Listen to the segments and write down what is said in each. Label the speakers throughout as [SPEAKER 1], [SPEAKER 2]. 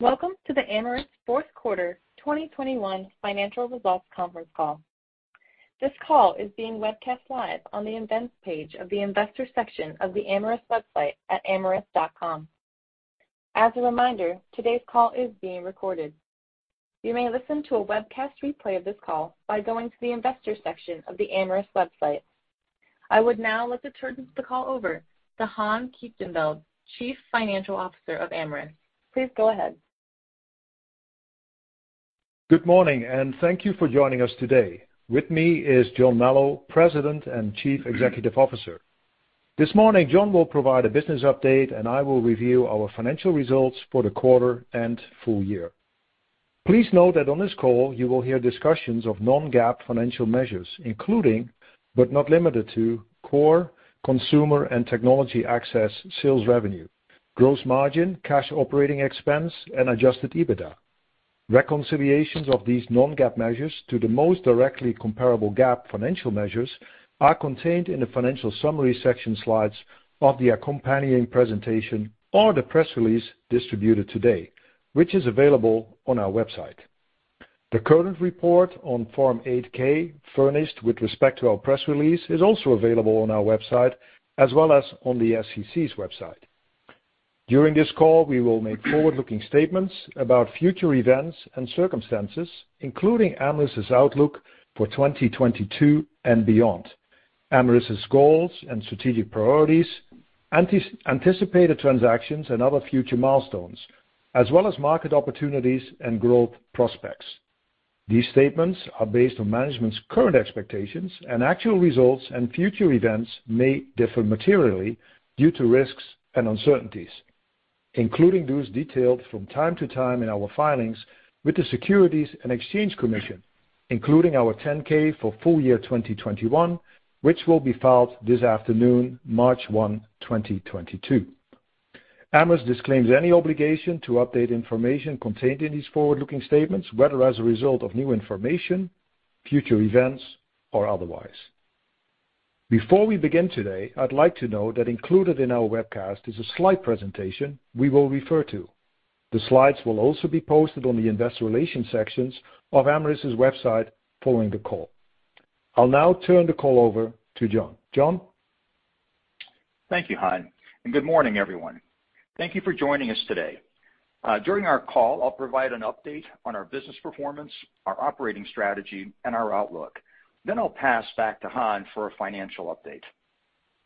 [SPEAKER 1] Welcome to the Amyris Fourth Quarter 2021 Financial Results Conference Call. This call is being webcast live on the Events page of the Investor section of the Amyris website at amyris.com. As a reminder, today's call is being recorded. You may listen to a webcast replay of this call by going to the Investor section of the Amyris website. I would now like to turn the call over to Han Kieftenbeld, Chief Financial Officer of Amyris. Please go ahead.
[SPEAKER 2] Good morning, and thank you for joining us today. With me is John Melo, President and Chief Executive Officer. This morning, John will provide a business update, and I will review our financial results for the quarter and full year. Please note that on this call, you will hear discussions of non-GAAP financial measures, including, but not limited to core consumer and technology access sales revenue, gross margin, cash operating expense, and adjusted EBITDA. Reconciliations of these non-GAAP measures to the most directly comparable GAAP financial measures are contained in the financial summary section slides of the accompanying presentation or the press release distributed today, which is available on our website. The current report on Form 8-K furnished with respect to our press release is also available on our website as well as on the SEC's website. During this call, we will make forward-looking statements about future events and circumstances, including Amyris' outlook for 2022 and beyond, Amyris' goals and strategic priorities, anticipated transactions and other future milestones, as well as market opportunities and growth prospects. These statements are based on management's current expectations, and actual results and future events may differ materially due to risks and uncertainties, including those detailed from time to time in our filings with the Securities and Exchange Commission, including our 10-K for full year 2021, which will be filed this afternoon, March 1, 2022. Amyris disclaims any obligation to update information contained in these forward-looking statements, whether as a result of new information, future events or otherwise. Before we begin today, I'd like to note that included in our webcast is a slide presentation we will refer to. The slides will also be posted on the Investor Relations sections of Amyris' website following the call. I'll now turn the call over to John. John?
[SPEAKER 3] Thank you, Han, and good morning, everyone. Thank you for joining us today. During our call, I'll provide an update on our business performance, our operating strategy, and our outlook. I'll pass back to Han for a financial update.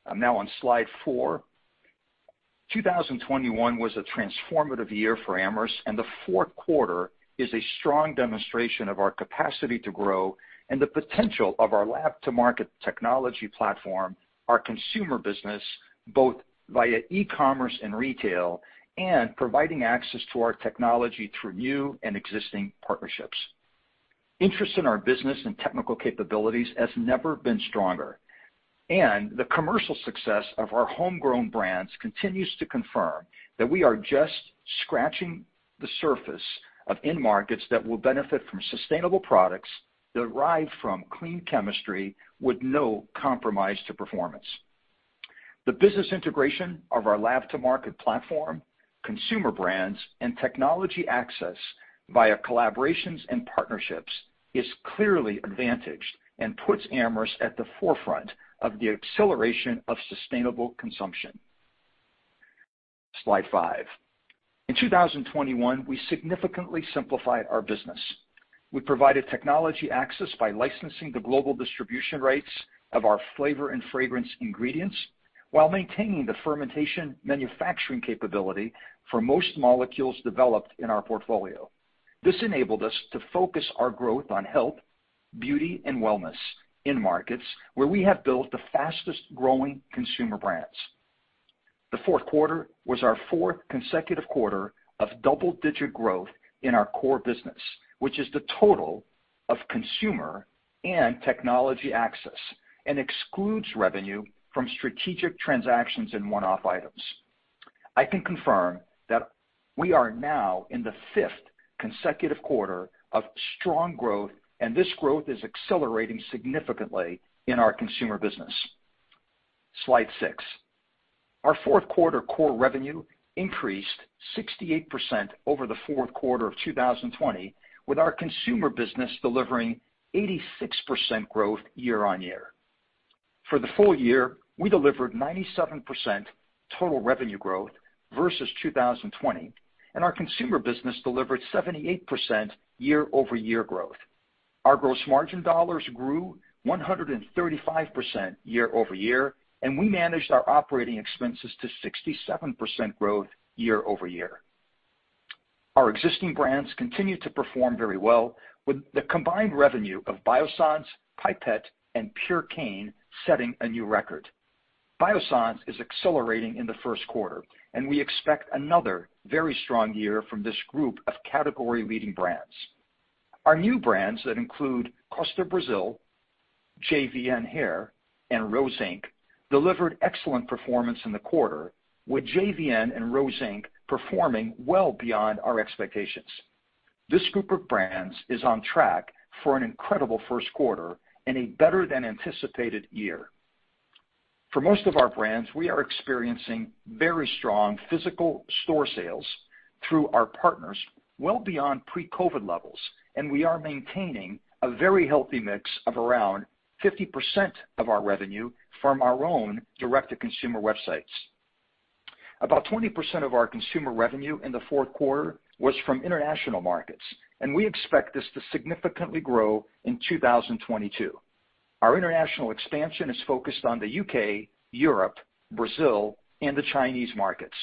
[SPEAKER 3] I'm now on slide four. 2021 was a transformative year for Amyris, and the fourth quarter is a strong demonstration of our capacity to grow and the potential of our lab-to-market technology platform, our consumer business, both via e-commerce and retail, and providing access to our technology through new and existing partnerships. Interest in our business and technical capabilities has never been stronger, and the commercial success of our homegrown brands continues to confirm that we are just scratching the surface of end markets that will benefit from sustainable products derived from clean chemistry with no compromise to performance. The business integration of our lab-to-market platform, consumer brands, and technology access via collaborations and partnerships is clearly advantaged and puts Amyris at the forefront of the acceleration of sustainable consumption. Slide five. In 2021, we significantly simplified our business. We provided technology access by licensing the global distribution rights of our flavor and fragrance ingredients while maintaining the fermentation manufacturing capability for most molecules developed in our portfolio. This enabled us to focus our growth on health, beauty, and wellness end markets, where we have built the fastest-growing consumer brands. The fourth quarter was our fourth consecutive quarter of double-digit growth in our core business, which is the total of consumer and technology access and excludes revenue from strategic transactions and one-off items. I can confirm that we are now in the fifth consecutive quarter of strong growth, and this growth is accelerating significantly in our consumer business. Slide six. Our fourth quarter core revenue increased 68% over the fourth quarter of 2020, with our consumer business delivering 86% growth year-over-year. For the full year, we delivered 97% total revenue growth versus 2020, and our consumer business delivered 78% year-over-year growth. Our gross margin dollars grew 135% year-over-year, and we managed our operating expenses to 67% growth year-over-year. Our existing brands continued to perform very well with the combined revenue of Biossance, Pipette, and Purecane setting a new record. Biossance is accelerating in the first quarter, and we expect another very strong year from this group of category-leading brands. Our new brands that include Costa Brazil, JVN Hair, and Rose Inc. delivered excellent performance in the quarter, with JVN and Rose Inc. performing well beyond our expectations. This group of brands is on track for an incredible first quarter and a better than anticipated year. For most of our brands, we are experiencing very strong physical store sales through our partners well beyond pre-COVID levels, and we are maintaining a very healthy mix of around 50% of our revenue from our own direct-to-consumer websites. About 20% of our consumer revenue in the fourth quarter was from international markets, and we expect this to significantly grow in 2022. Our international expansion is focused on the U.K., Europe, Brazil and the Chinese markets.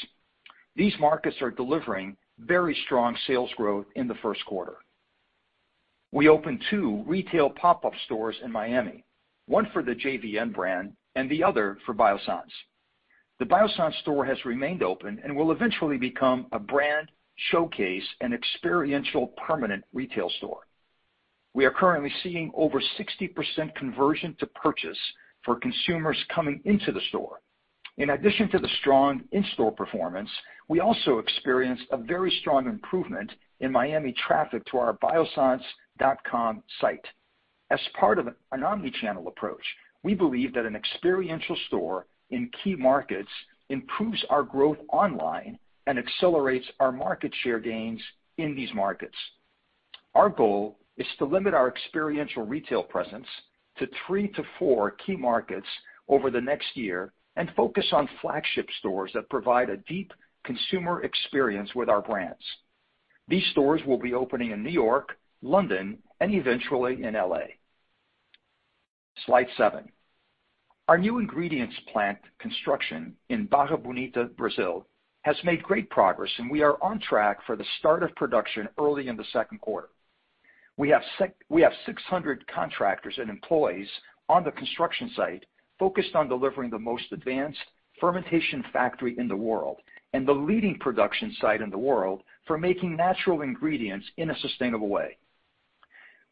[SPEAKER 3] These markets are delivering very strong sales growth in the first quarter. We opened two retail pop-up stores in Miami, one for the JVN brand and the other for Biossance. The Biossance store has remained open and will eventually become a brand showcase and experiential permanent retail store. We are currently seeing over 60% conversion to purchase for consumers coming into the store. In addition to the strong in-store performance, we also experienced a very strong improvement in Miami traffic to our biossance.com site. As part of an omnichannel approach, we believe that an experiential store in key markets improves our growth online and accelerates our market share gains in these markets. Our goal is to limit our experiential retail presence to three to four key markets over the next year and focus on flagship stores that provide a deep consumer experience with our brands. These stores will be opening in New York, London and eventually in L.A. Slide seven. Our new ingredients plant construction in Barra Bonita, Brazil, has made great progress, and we are on track for the start of production early in the second quarter. We have 600 contractors and employees on the construction site focused on delivering the most advanced fermentation factory in the world and the leading production site in the world for making natural ingredients in a sustainable way.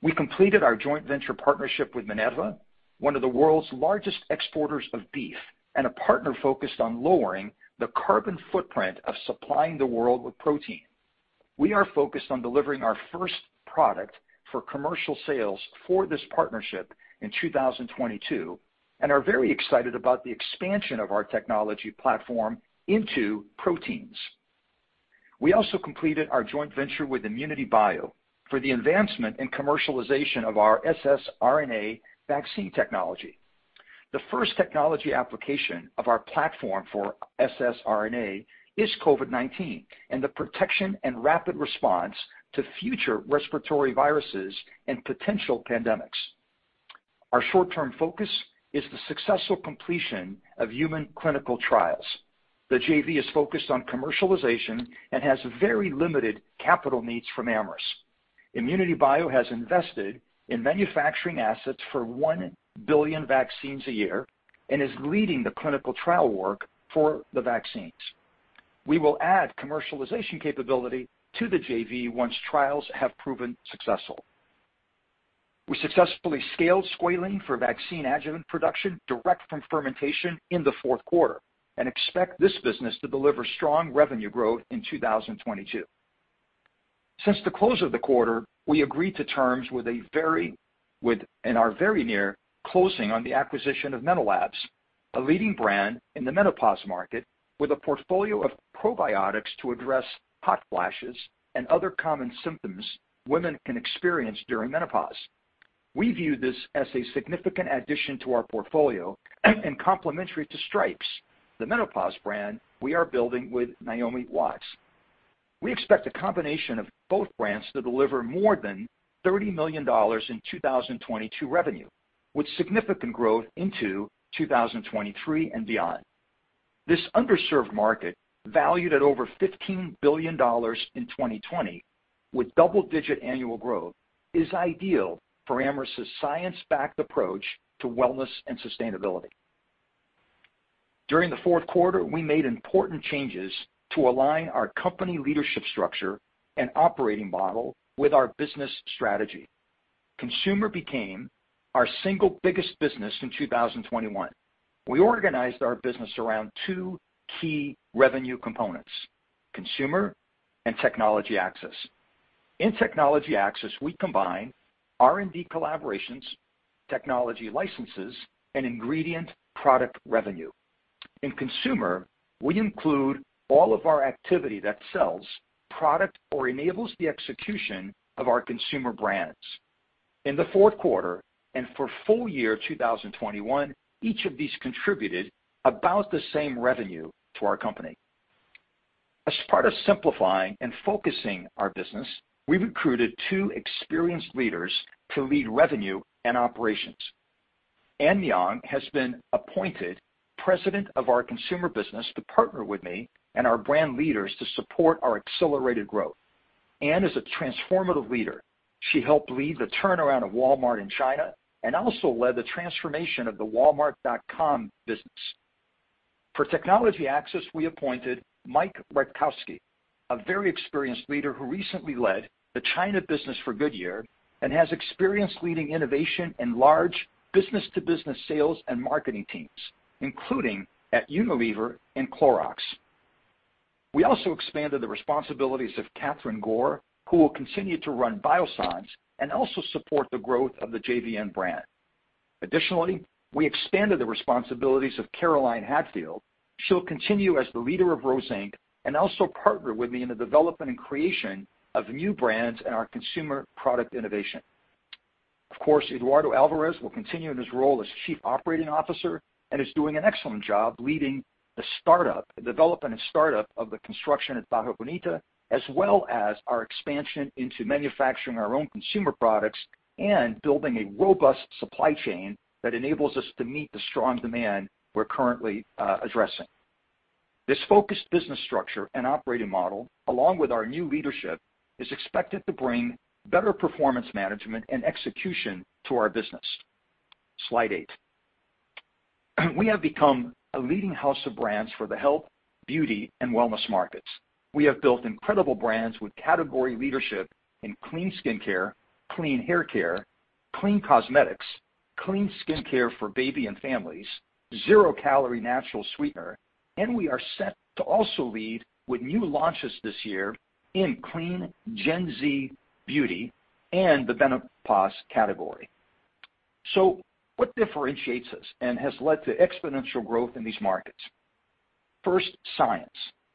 [SPEAKER 3] We completed our joint venture partnership with Minerva, one of the world's largest exporters of beef and a partner focused on lowering the carbon footprint of supplying the world with protein. We are focused on delivering our first product for commercial sales for this partnership in 2022 and are very excited about the expansion of our technology platform into proteins. We also completed our joint venture with ImmunityBio for the advancement and commercialization of our ssRNA vaccine technology. The first technology application of our platform for ssRNA is COVID-19 and the protection and rapid response to future respiratory viruses and potential pandemics. Our short-term focus is the successful completion of human clinical trials. The JVN is focused on commercialization and has very limited capital needs from Amyris. ImmunityBio has invested in manufacturing assets for one billion vaccines a year and is leading the clinical trial work for the vaccines. We will add commercialization capability to the JVN once trials have proven successful. We successfully scaled squalene for vaccine adjuvant production direct from fermentation in the fourth quarter and expect this business to deliver strong revenue growth in 2022. Since the close of the quarter, we agreed to terms and are very near closing on the acquisition of MenoLabs, a leading brand in the menopause market with a portfolio of probiotics to address hot flashes and other common symptoms women can experience during menopause. We view this as a significant addition to our portfolio and complementary to Stripes, the menopause brand we are building with Naomi Watts. We expect a combination of both brands to deliver more than $30 million in 2022 revenue, with significant growth into 2023 and beyond. This underserved market, valued at over $15 billion in 2020 with double-digit annual growth, is ideal for Amyris' science-backed approach to wellness and sustainability. During the fourth quarter, we made important changes to align our company leadership structure and operating model with our business strategy. Consumer became our single biggest business in 2021. We organized our business around two key revenue components, consumer and technology access. In technology access, we combine R&D collaborations, technology licenses and ingredient product revenue. In consumer, we include all of our activity that sells product or enables the execution of our consumer brands. In the fourth quarter and for full year 2021, each of these contributed about the same revenue to our company. As part of simplifying and focusing our business, we recruited two experienced leaders to lead revenue and operations. Annie Tsong has been appointed president of our consumer business to partner with me and our brand leaders to support our accelerated growth. Annie Tsong is a transformative leader. She helped lead the turnaround of Walmart in China and also led the transformation of the walmart.com business. For technology access, we appointed Mike Rytokoski, a very experienced leader who recently led the China business for Goodyear and has experience leading innovation in large business-to-business sales and marketing teams, including at Unilever and Clorox. We also expanded the responsibilities of Catherine Gore, who will continue to run Biossance and also support the growth of the JVN brand. Additionally, we expanded the responsibilities of Caroline Hadfield. She'll continue as the leader of Rose Inc. and also partner with me in the development and creation of new brands in our consumer product innovation. Of course, Eduardo Alvarez will continue in his role as Chief Operating Officer and is doing an excellent job leading the startup, the development and startup of the construction at Barra Bonita, as well as our expansion into manufacturing our own consumer products and building a robust supply chain that enables us to meet the strong demand we're currently addressing. This focused business structure and operating model, along with our new leadership, is expected to bring better performance management and execution to our business. Slide eight. We have become a leading house of brands for the health, beauty and wellness markets. We have built incredible brands with category leadership in clean skincare, clean haircare, clean cosmetics, clean skincare for baby and families, zero-calorie natural sweetener, and we are set to also lead with new launches this year in clean Gen Z beauty and the menopause category. What differentiates us and has led to exponential growth in these markets? First, science.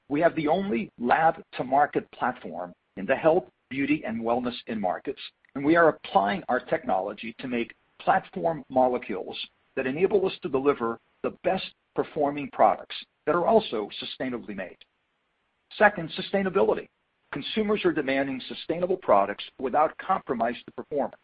[SPEAKER 3] We have the only lab-to-market platform in the health, beauty and wellness end markets, and we are applying our technology to make platform molecules that enable us to deliver the best performing products that are also sustainably made. Second, sustainability. Consumers are demanding sustainable products without compromise to performance,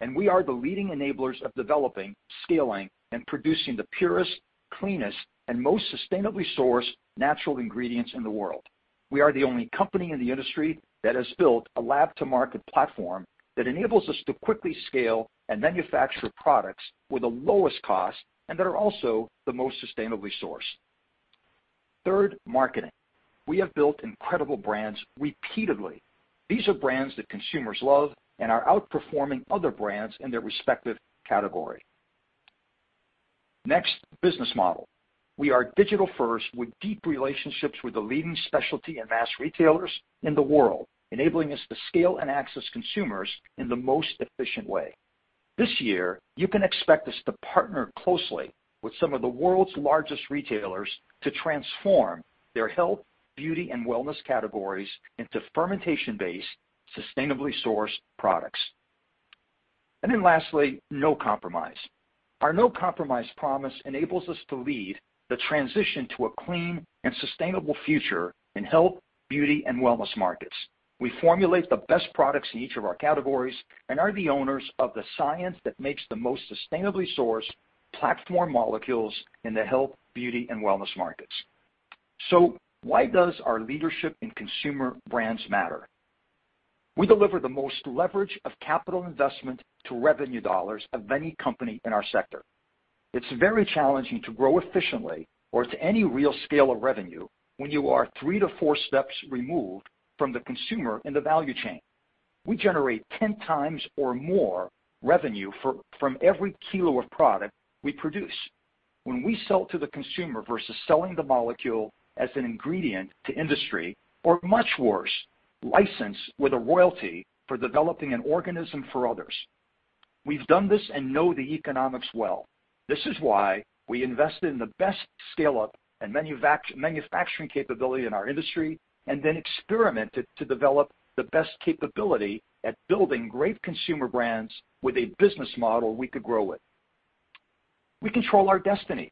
[SPEAKER 3] and we are the leading enablers of developing, scaling, and producing the purest, cleanest and most sustainably sourced natural ingredients in the world. We are the only company in the industry that has built a lab-to-market platform that enables us to quickly scale and manufacture products with the lowest cost and that are also the most sustainably sourced. Third, marketing. We have built incredible brands repeatedly. These are brands that consumers love and are outperforming other brands in their respective category. Next, business model. We are digital first, with deep relationships with the leading specialty and mass retailers in the world, enabling us to scale and access consumers in the most efficient way. This year, you can expect us to partner closely with some of the world's largest retailers to transform their health, beauty and wellness categories into fermentation-based, sustainably sourced products. Then lastly, no compromise. Our no compromise promise enables us to lead the transition to a clean and sustainable future in health, beauty and wellness markets. We formulate the best products in each of our categories and are the owners of the science that makes the most sustainably sourced platform molecules in the health, beauty and wellness markets. Why does our leadership in consumer brands matter? We deliver the most leverage of capital investment to revenue dollars of any company in our sector. It's very challenging to grow efficiently or to any real scale of revenue when you are three to four steps removed from the consumer in the value chain. We generate 10 times or more revenue from every kilo of product we produce when we sell to the consumer versus selling the molecule as an ingredient to industry, or much worse, licensed with a royalty for developing an organism for others. We've done this and know the economics well. This is why we invested in the best scaleup and manufacturing capability in our industry, and then experimented to develop the best capability at building great consumer brands with a business model we could grow with. We control our destiny.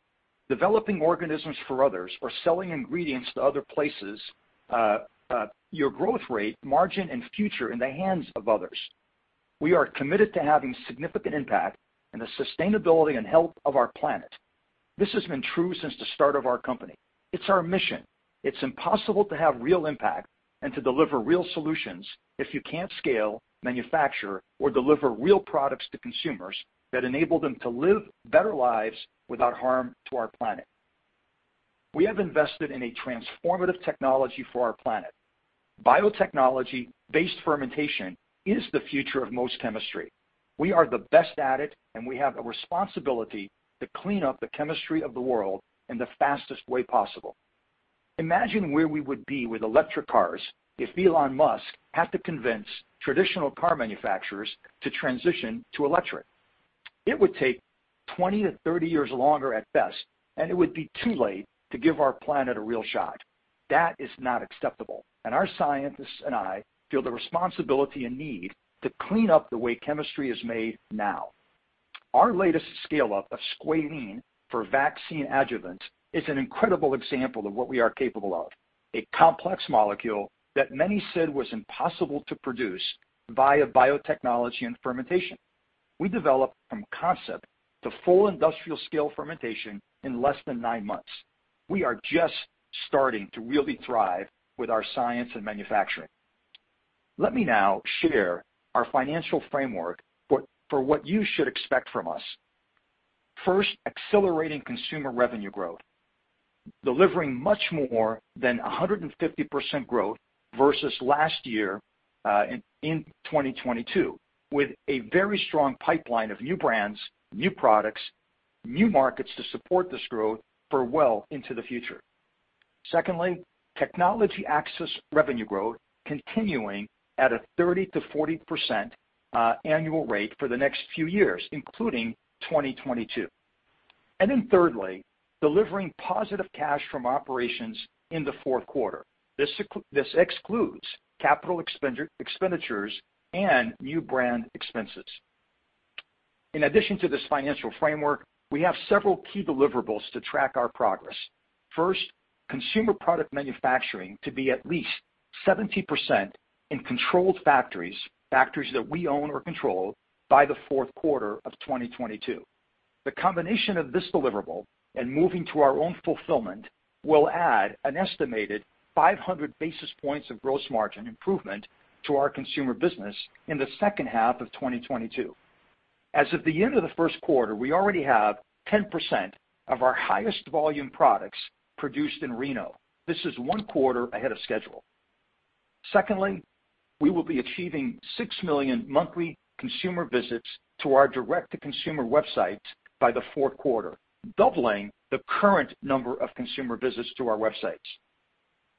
[SPEAKER 3] Developing organisms for others or selling ingredients to other places, your growth rate, margin and future in the hands of others. We are committed to having significant impact in the sustainability and health of our planet. This has been true since the start of our company. It's our mission. It's impossible to have real impact and to deliver real solutions if you can't scale, manufacture, or deliver real products to consumers that enable them to live better lives without harm to our planet. We have invested in a transformative technology for our planet. Biotechnology-based fermentation is the future of most chemistry. We are the best at it, and we have a responsibility to clean up the chemistry of the world in the fastest way possible. Imagine where we would be with electric cars if Elon Musk had to convince traditional car manufacturers to transition to electric. It would take 20-30 years longer at best, and it would be too late to give our planet a real shot. That is not acceptable, and our scientists and I feel the responsibility and need to clean up the way chemistry is made now. Our latest scale up of squalene for vaccine adjuvant is an incredible example of what we are capable of. A complex molecule that many said was impossible to produce via biotechnology and fermentation. We developed from concept to full industrial scale fermentation in less than nine months. We are just starting to really thrive with our science and manufacturing. Let me now share our financial framework for what you should expect from us. First, accelerating consumer revenue growth, delivering much more than 150% growth versus last year, in 2022, with a very strong pipeline of new brands, new products, new markets to support this growth for well into the future. Secondly, technology access revenue growth continuing at a 30%-40% annual rate for the next few years, including 2022. Thirdly, delivering positive cash from operations in the fourth quarter. This excludes capital expenditures and new brand expenses. In addition to this financial framework, we have several key deliverables to track our progress. First, consumer product manufacturing to be at least 70% in controlled factories that we own or control by the fourth quarter of 2022. The combination of this deliverable and moving to our own fulfillment will add an estimated 500 basis points of gross margin improvement to our consumer business in the second half of 2022. As of the end of the first quarter, we already have 10% of our highest volume products produced in Reno. This is one quarter ahead of schedule. Secondly, we will be achieving six million monthly consumer visits to our direct-to-consumer websites by the fourth quarter, doubling the current number of consumer visits to our websites.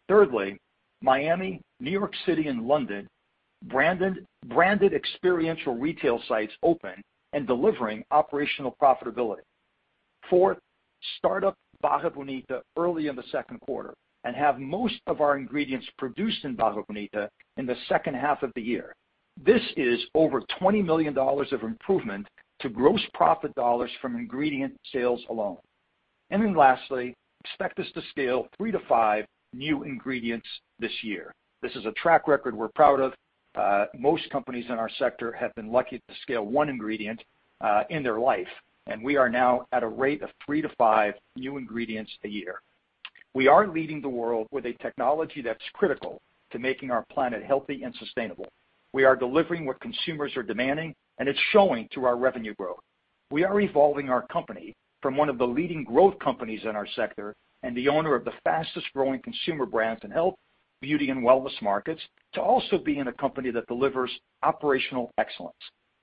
[SPEAKER 3] Thirdly, Miami, New York City, and London branded experiential retail sites open and delivering operational profitability. Fourth, start up Barra Bonita early in the second quarter and have most of our ingredients produced in Barra Bonita in the second half of the year. This is over $20 million of improvement to gross profit dollars from ingredient sales alone. Then lastly, expect us to scale three to five new ingredients this year. This is a track record we're proud of. Most companies in our sector have been lucky to scale one ingredient in their life, and we are now at a rate of three to five new ingredients a year. We are leading the world with a technology that's critical to making our planet healthy and sustainable. We are delivering what consumers are demanding, and it's showing through our revenue growth. We are evolving our company from one of the leading growth companies in our sector and the owner of the fastest-growing consumer brands in health, beauty and wellness markets to also being a company that delivers operational excellence.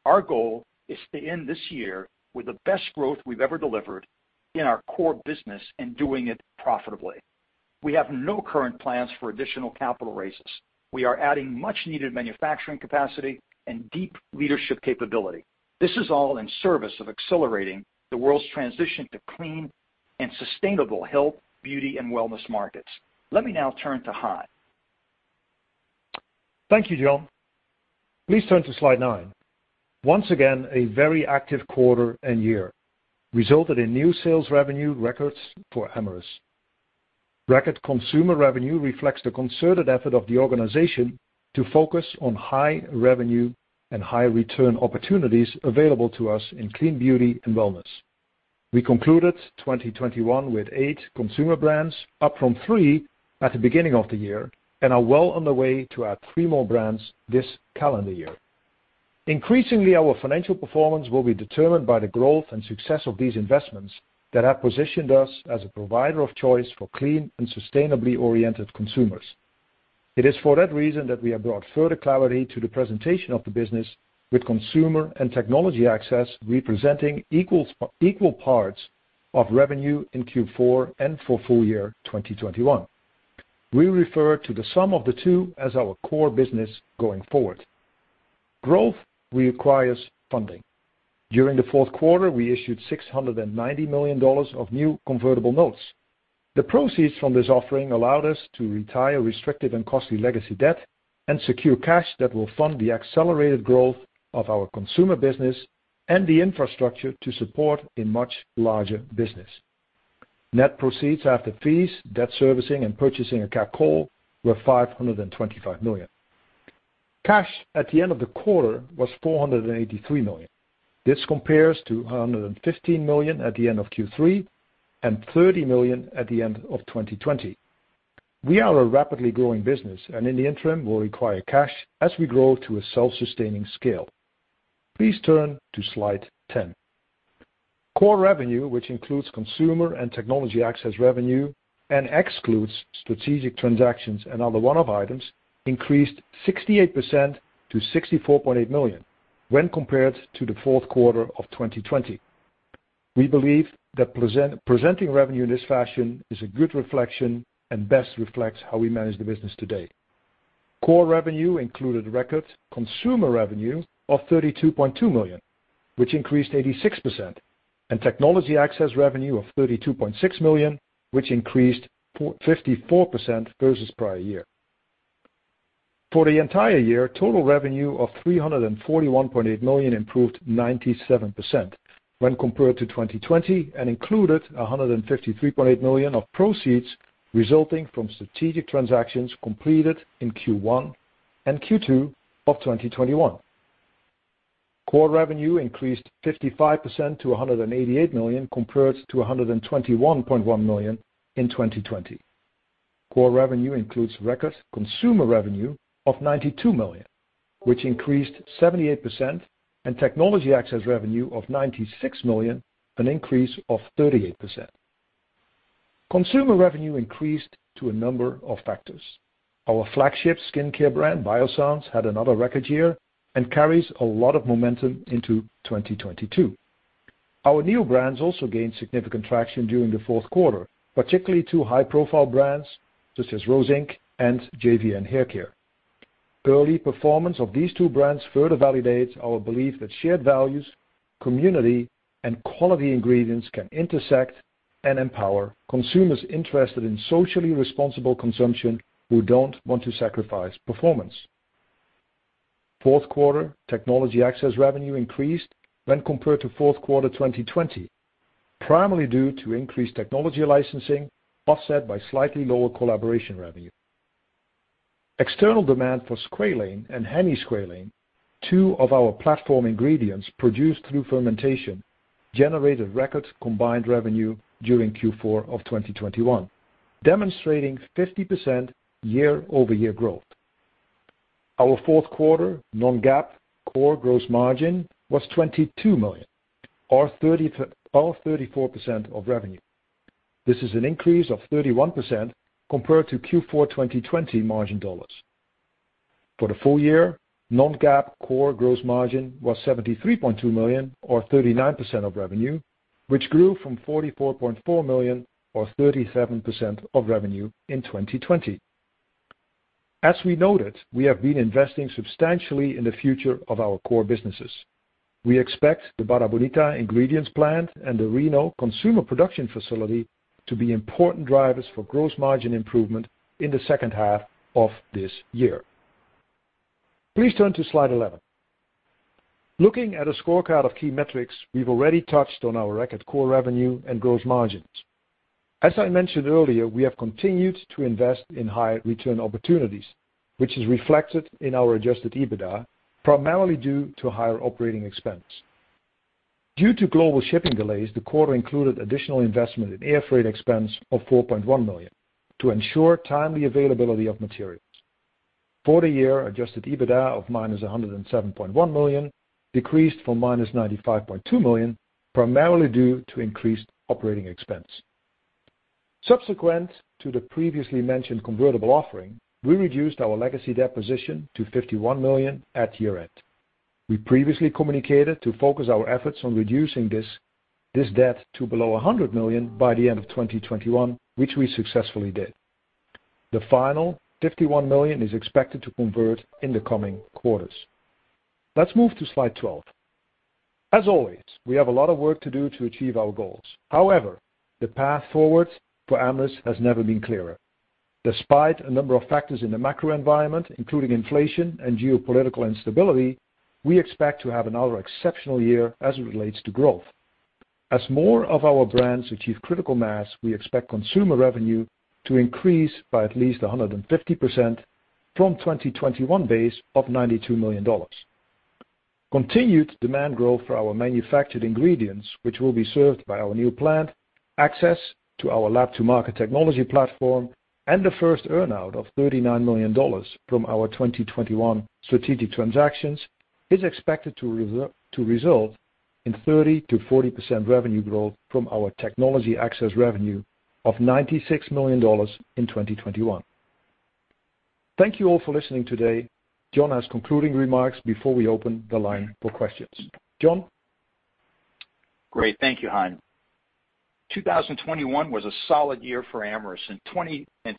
[SPEAKER 3] Our goal is to end this year with the best growth we've ever delivered in our core business and doing it profitably. We have no current plans for additional capital raises. We are adding much-needed manufacturing capacity and deep leadership capability. This is all in service of accelerating the world's transition to clean and sustainable health, beauty and wellness markets. Let me now turn to Han Kieftenbeld.
[SPEAKER 2] Thank you, John. Please turn to slide nine. Once again, a very active quarter and year resulted in new sales revenue records for Amyris. Record consumer revenue reflects the concerted effort of the organization to focus on high revenue and high return opportunities available to us in clean beauty and wellness. We concluded 2021 with eight consumer brands, up from three at the beginning of the year, and are well on the way to add three more brands this calendar year. Increasingly, our financial performance will be determined by the growth and success of these investments that have positioned us as a provider of choice for clean and sustainably oriented consumers. It is for that reason that we have brought further clarity to the presentation of the business, with consumer and technology access representing equal parts of revenue in Q4 and for full year 2021. We refer to the sum of the two as our core business going forward. Growth requires funding. During the fourth quarter, we issued $690 million of new convertible notes. The proceeds from this offering allowed us to retire restrictive and costly legacy debt and secure cash that will fund the accelerated growth of our consumer business and the infrastructure to support a much larger business. Net proceeds after fees, debt servicing, and purchasing a cap call were $525 million. Cash at the end of the quarter was $483 million. This compares to $115 million at the end of Q3 and $30 million at the end of 2020. We are a rapidly growing business and in the interim will require cash as we grow to a self-sustaining scale. Please turn to slide 10. Core revenue, which includes consumer and technology access revenue and excludes strategic transactions and other one-off items, increased 68% to $64.8 million when compared to the fourth quarter of 2020. We believe that presenting revenue in this fashion is a good reflection and best reflects how we manage the business today. Core revenue included record consumer revenue of $32.2 million, which increased 86%, and technology access revenue of $32.6 million, which increased 54% versus prior year. For the entire year, total revenue of $341.8 million improved 97% when compared to 2020 and included $153.8 million of proceeds resulting from strategic transactions completed in Q1 and Q2 of 2021. Core revenue increased 55% to $188 million compared to $121.1 million in 2020. Core revenue includes record consumer revenue of $92 million, which increased 78%, and technology access revenue of $96 million, an increase of 38%. Consumer revenue increased due to a number of factors. Our flagship skincare brand, Biossance, had another record year and carries a lot of momentum into 2022. Our new brands also gained significant traction during the fourth quarter, particularly two high-profile brands such as Rose Inc. and JVN Hair Care. Early performance of these two brands further validates our belief that shared values, community, and quality ingredients can intersect and empower consumers interested in socially responsible consumption who don't want to sacrifice performance. Fourth quarter technology access revenue increased when compared to fourth quarter 2020, primarily due to increased technology licensing, offset by slightly lower collaboration revenue. External demand for squalane and hemisqualane, two of our platform ingredients produced through fermentation, generated record combined revenue during Q4 of 2021, demonstrating 50% year-over-year growth. Our fourth quarter non-GAAP core gross margin was $22 million, or 34% of revenue. This is an increase of 31% compared to Q4 2020 margin dollars. For the full year, non-GAAP core gross margin was $73.2 million, or 39% of revenue, which grew from $44.4 million, or 37% of revenue in 2020. We have been investing substantially in the future of our core businesses. We expect the Barra Bonita ingredients plant and the Reno consumer production facility to be important drivers for gross margin improvement in the second half of this year. Please turn to slide 11. Looking at a scorecard of key metrics, we've already touched on our record core revenue and gross margins. As I mentioned earlier, we have continued to invest in high return opportunities, which is reflected in our adjusted EBITDA, primarily due to higher operating expense. Due to global shipping delays, the quarter included additional investment in air freight expense of $4.1 million to ensure timely availability of materials. For the year, adjusted EBITDA of -$107.1 million decreased from -$95.2 million, primarily due to increased operating expense. Subsequent to the previously mentioned convertible offering, we reduced our legacy debt position to $51 million at year-end. We previously communicated to focus our efforts on reducing this debt to below $100 million by the end of 2021, which we successfully did. The final $51 million is expected to convert in the coming quarters. Let's move to slide 12. As always, we have a lot of work to do to achieve our goals. However, the path forward for Amyris has never been clearer. Despite a number of factors in the macro environment, including inflation and geopolitical instability, we expect to have another exceptional year as it relates to growth. As more of our brands achieve critical mass, we expect consumer revenue to increase by at least 150% from 2021 base of $92 million. Continued demand growth for our manufactured ingredients, which will be served by our new plant, access to our lab to market technology platform, and the first earn-out of $39 million from our 2021 strategic transactions, is expected to result in 30%-40% revenue growth from our technology access revenue of $96 million in 2021. Thank you all for listening today. John has concluding remarks before we open the line for questions. John?
[SPEAKER 3] Great. Thank you, Han. 2021 was a solid year for Amyris, and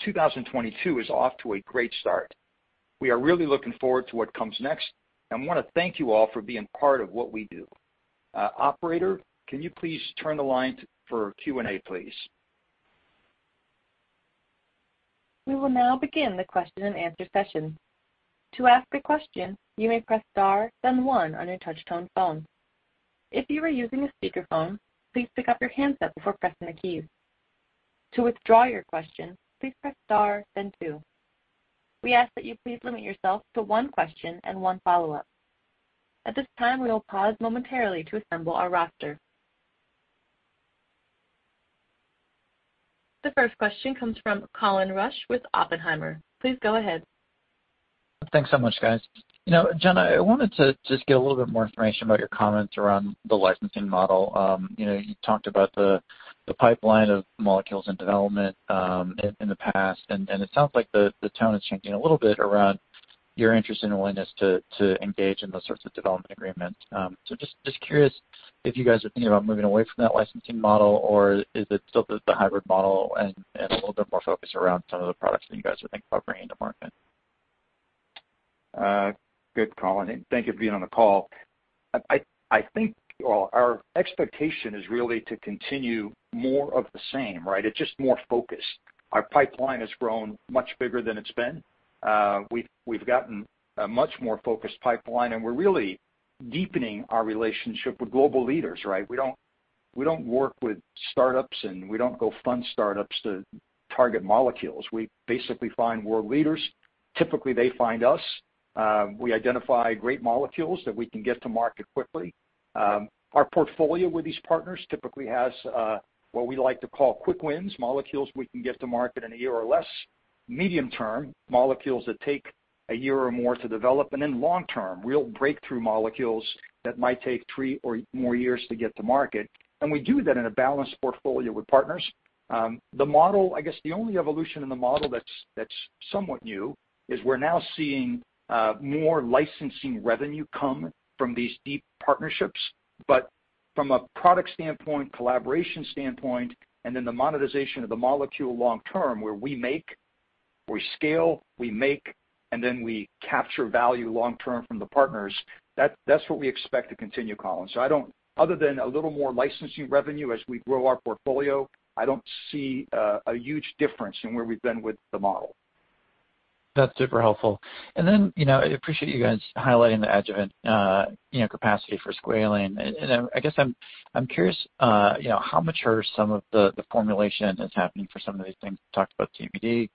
[SPEAKER 3] 2022 is off to a great start. We are really looking forward to what comes next, and wanna thank you all for being part of what we do. Operator, can you please turn the line for Q&A, please?
[SPEAKER 1] We will now begin the question and answer session. To ask a question, you may press star, then one on your touch tone phone. If you are using a speakerphone, please pick up your handset before pressing the keys. To withdraw your question, please press star, then two. We ask that you please limit yourself to one question and one follow-up. At this time, we will pause momentarily to assemble our roster. The first question comes from Colin Rusch with Oppenheimer. Please go ahead.
[SPEAKER 4] Thanks so much, guys. You know, John, I wanted to just get a little bit more information about your comments around the licensing model. You know, you talked about the pipeline of molecules and development in the past, and it sounds like the tone is changing a little bit around your interest and willingness to engage in those sorts of development agreements. Just curious if you guys are thinking about moving away from that licensing model, or is it still just a hybrid model and a little bit more focus around some of the products that you guys are thinking about bringing to market?
[SPEAKER 3] Good, Colin. Thank you for being on the call. I think, well, our expectation is really to continue more of the same, right? It's just more focused. Our pipeline has grown much bigger than it's been. We've gotten a much more focused pipeline, and we're really deepening our relationship with global leaders, right? We don't work with startups, and we don't go fund startups to target molecules. We basically find world leaders. Typically, they find us. We identify great molecules that we can get to market quickly. Our portfolio with these partners typically has what we like to call quick wins, molecules we can get to market in a year or less, medium term, molecules that take a year or more to develop, and then long term, real breakthrough molecules that might take three or more years to get to market. We do that in a balanced portfolio with partners. The model, I guess the only evolution in the model that's somewhat new is we're now seeing more licensing revenue come from these deep partnerships. From a product standpoint, collaboration standpoint, and then the monetization of the molecule long term, where we make, we scale, and then we capture value long term from the partners, that's what we expect to continue, Colin. Other than a little more licensing revenue as we grow our portfolio, I don't see a huge difference in where we've been with the model.
[SPEAKER 4] That's super helpful. Then, you know, I appreciate you guys highlighting the adjuvant capacity for squalene. I guess I'm curious, you know, how mature some of the formulation that's happening for some of these things. You talked about CBG,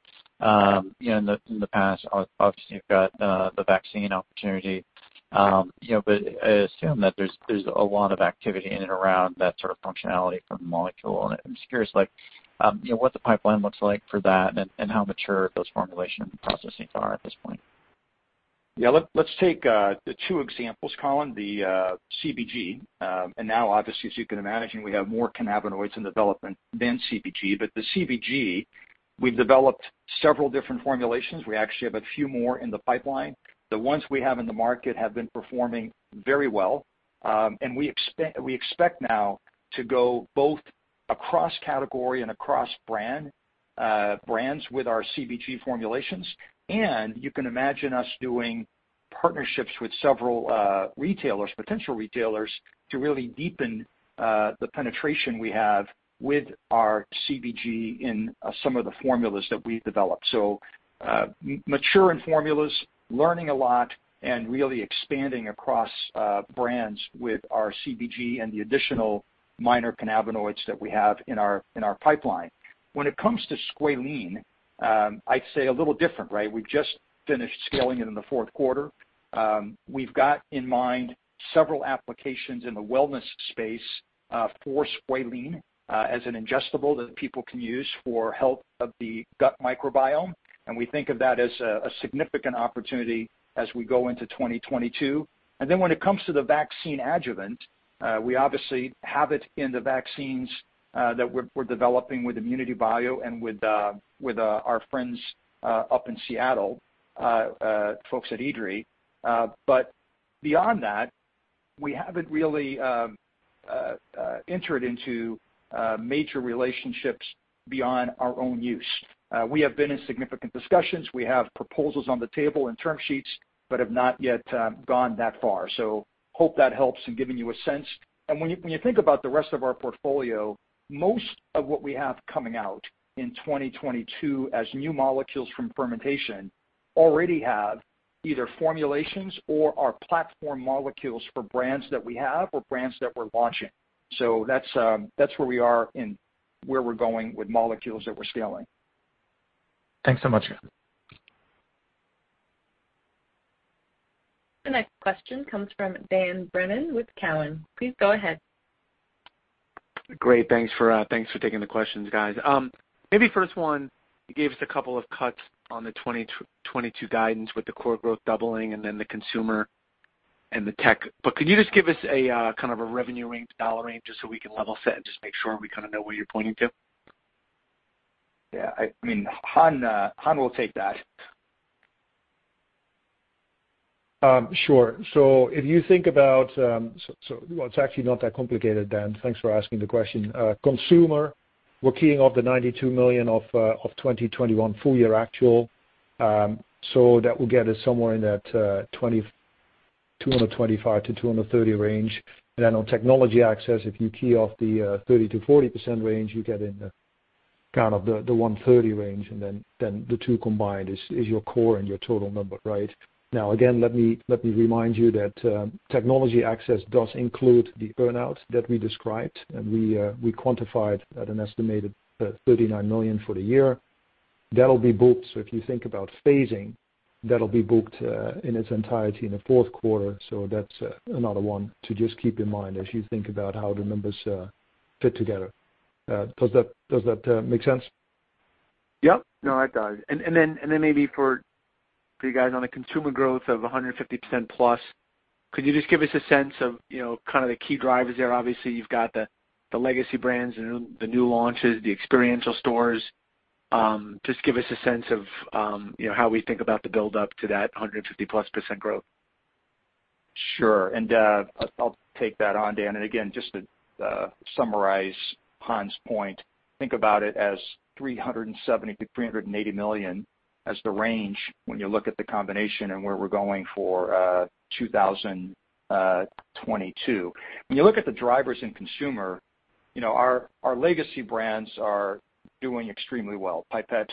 [SPEAKER 4] you know, in the past. Obviously, you've got the vaccine opportunity. You know, but I assume that there's a lot of activity in and around that sort of functionality from the molecule. I'm just curious, like, you know, what the pipeline looks like for that and how mature those formulation processes are at this point.
[SPEAKER 3] Yeah, let's take the two examples, Colin. CBG, and now obviously, as you can imagine, we have more cannabinoids in development than CBG. The CBG, we've developed several different formulations. We actually have a few more in the pipeline. The ones we have in the market have been performing very well. We expect now to go both across category and across brands with our CBG formulations. You can imagine us doing partnerships with several retailers, potential retailers, to really deepen the penetration we have with our CBG in some of the formulas that we've developed. More in formulas, learning a lot, and really expanding across brands with our CBG and the additional minor cannabinoids that we have in our pipeline. When it comes to squalene, I'd say a little different, right? We've just finished scaling it in the fourth quarter. We've got in mind several applications in the wellness space, for squalene, as an ingestible that people can use for health of the gut microbiome, and we think of that as a significant opportunity as we go into 2022. When it comes to the vaccine adjuvant, we obviously have it in the vaccines that we're developing with ImmunityBio and with our friends up in Seattle, folks at IDRI. Beyond that, we haven't really entered into major relationships beyond our own use. We have been in significant discussions. We have proposals on the table and term sheets, but have not yet gone that far. Hope that helps in giving you a sense. When you think about the rest of our portfolio, most of what we have coming out in 2022 as new molecules from fermentation already have either formulations or are platform molecules for brands that we have or brands that we're launching. That's where we are and where we're going with molecules that we're scaling.
[SPEAKER 4] Thanks so much.
[SPEAKER 1] The next question comes from Dan Brennan with Cowen. Please go ahead.
[SPEAKER 5] Great. Thanks for taking the questions, guys. Maybe first one, you gave us a couple of cuts on the 2022 guidance with the core growth doubling and then the consumer and the tech. Can you just give us a kind of a revenue range, dollar range, just so we can level set and just make sure we kinda know what you're pointing to?
[SPEAKER 3] Yeah, I mean, Han will take that.
[SPEAKER 2] Sure. Well, it's actually not that complicated, Dan. Thanks for asking the question. Consumer, we're keying off the $92 million of 2021 full year actual. So that will get us somewhere in that $225 million-$230 million range. Then on technology access, if you key off the 30%-40% range, you get in the kind of the $130 million range, and then the two combined is your core and your total number, right? Now, again, let me remind you that technology access does include the earn-out that we described, and we quantified at an estimated $39 million for the year. That'll be booked. If you think about phasing, that'll be booked in its entirety in the fourth quarter. That's another one to just keep in mind as you think about how the numbers fit together. Does that make sense?
[SPEAKER 5] Yep. No, it does. Then maybe for you guys on the consumer growth of 150% plus, could you just give us a sense of, you know, kind of the key drivers there? Obviously, you've got the legacy brands, the new launches, the experiential stores. Just give us a sense of, you know, how we think about the build up to that 150% plus growth.
[SPEAKER 3] Sure. I'll take that on, Dan. Again, just to summarize Han's point, think about it as $370 million-$380 million as the range when you look at the combination and where we're going for 2022. When you look at the drivers in consumer, you know, our legacy brands are doing extremely well. Pipette,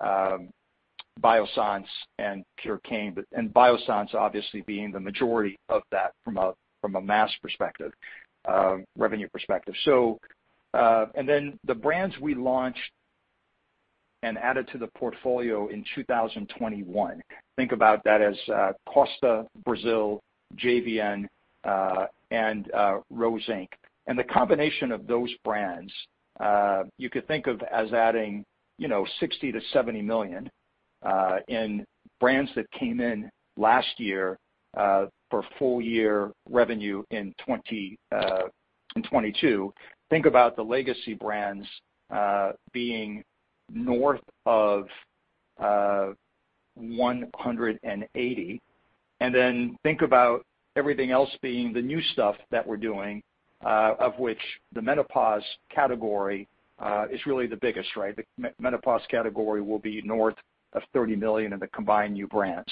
[SPEAKER 3] Biossance, and Purecane, and Biossance obviously being the majority of that from a mass perspective, revenue perspective. Then the brands we launched and added to the portfolio in 2021, think about that as Costa Brazil, JVN, and Rose Inc. The combination of those brands, you could think of as adding, you know, $60 million-$70 million in brands that came in last year for full year revenue in 2022. Think about the legacy brands being north of $180 million. Think about everything else being the new stuff that we're doing, of which the menopause category is really the biggest, right? The menopause category will be north of $30 million in the combined new brands.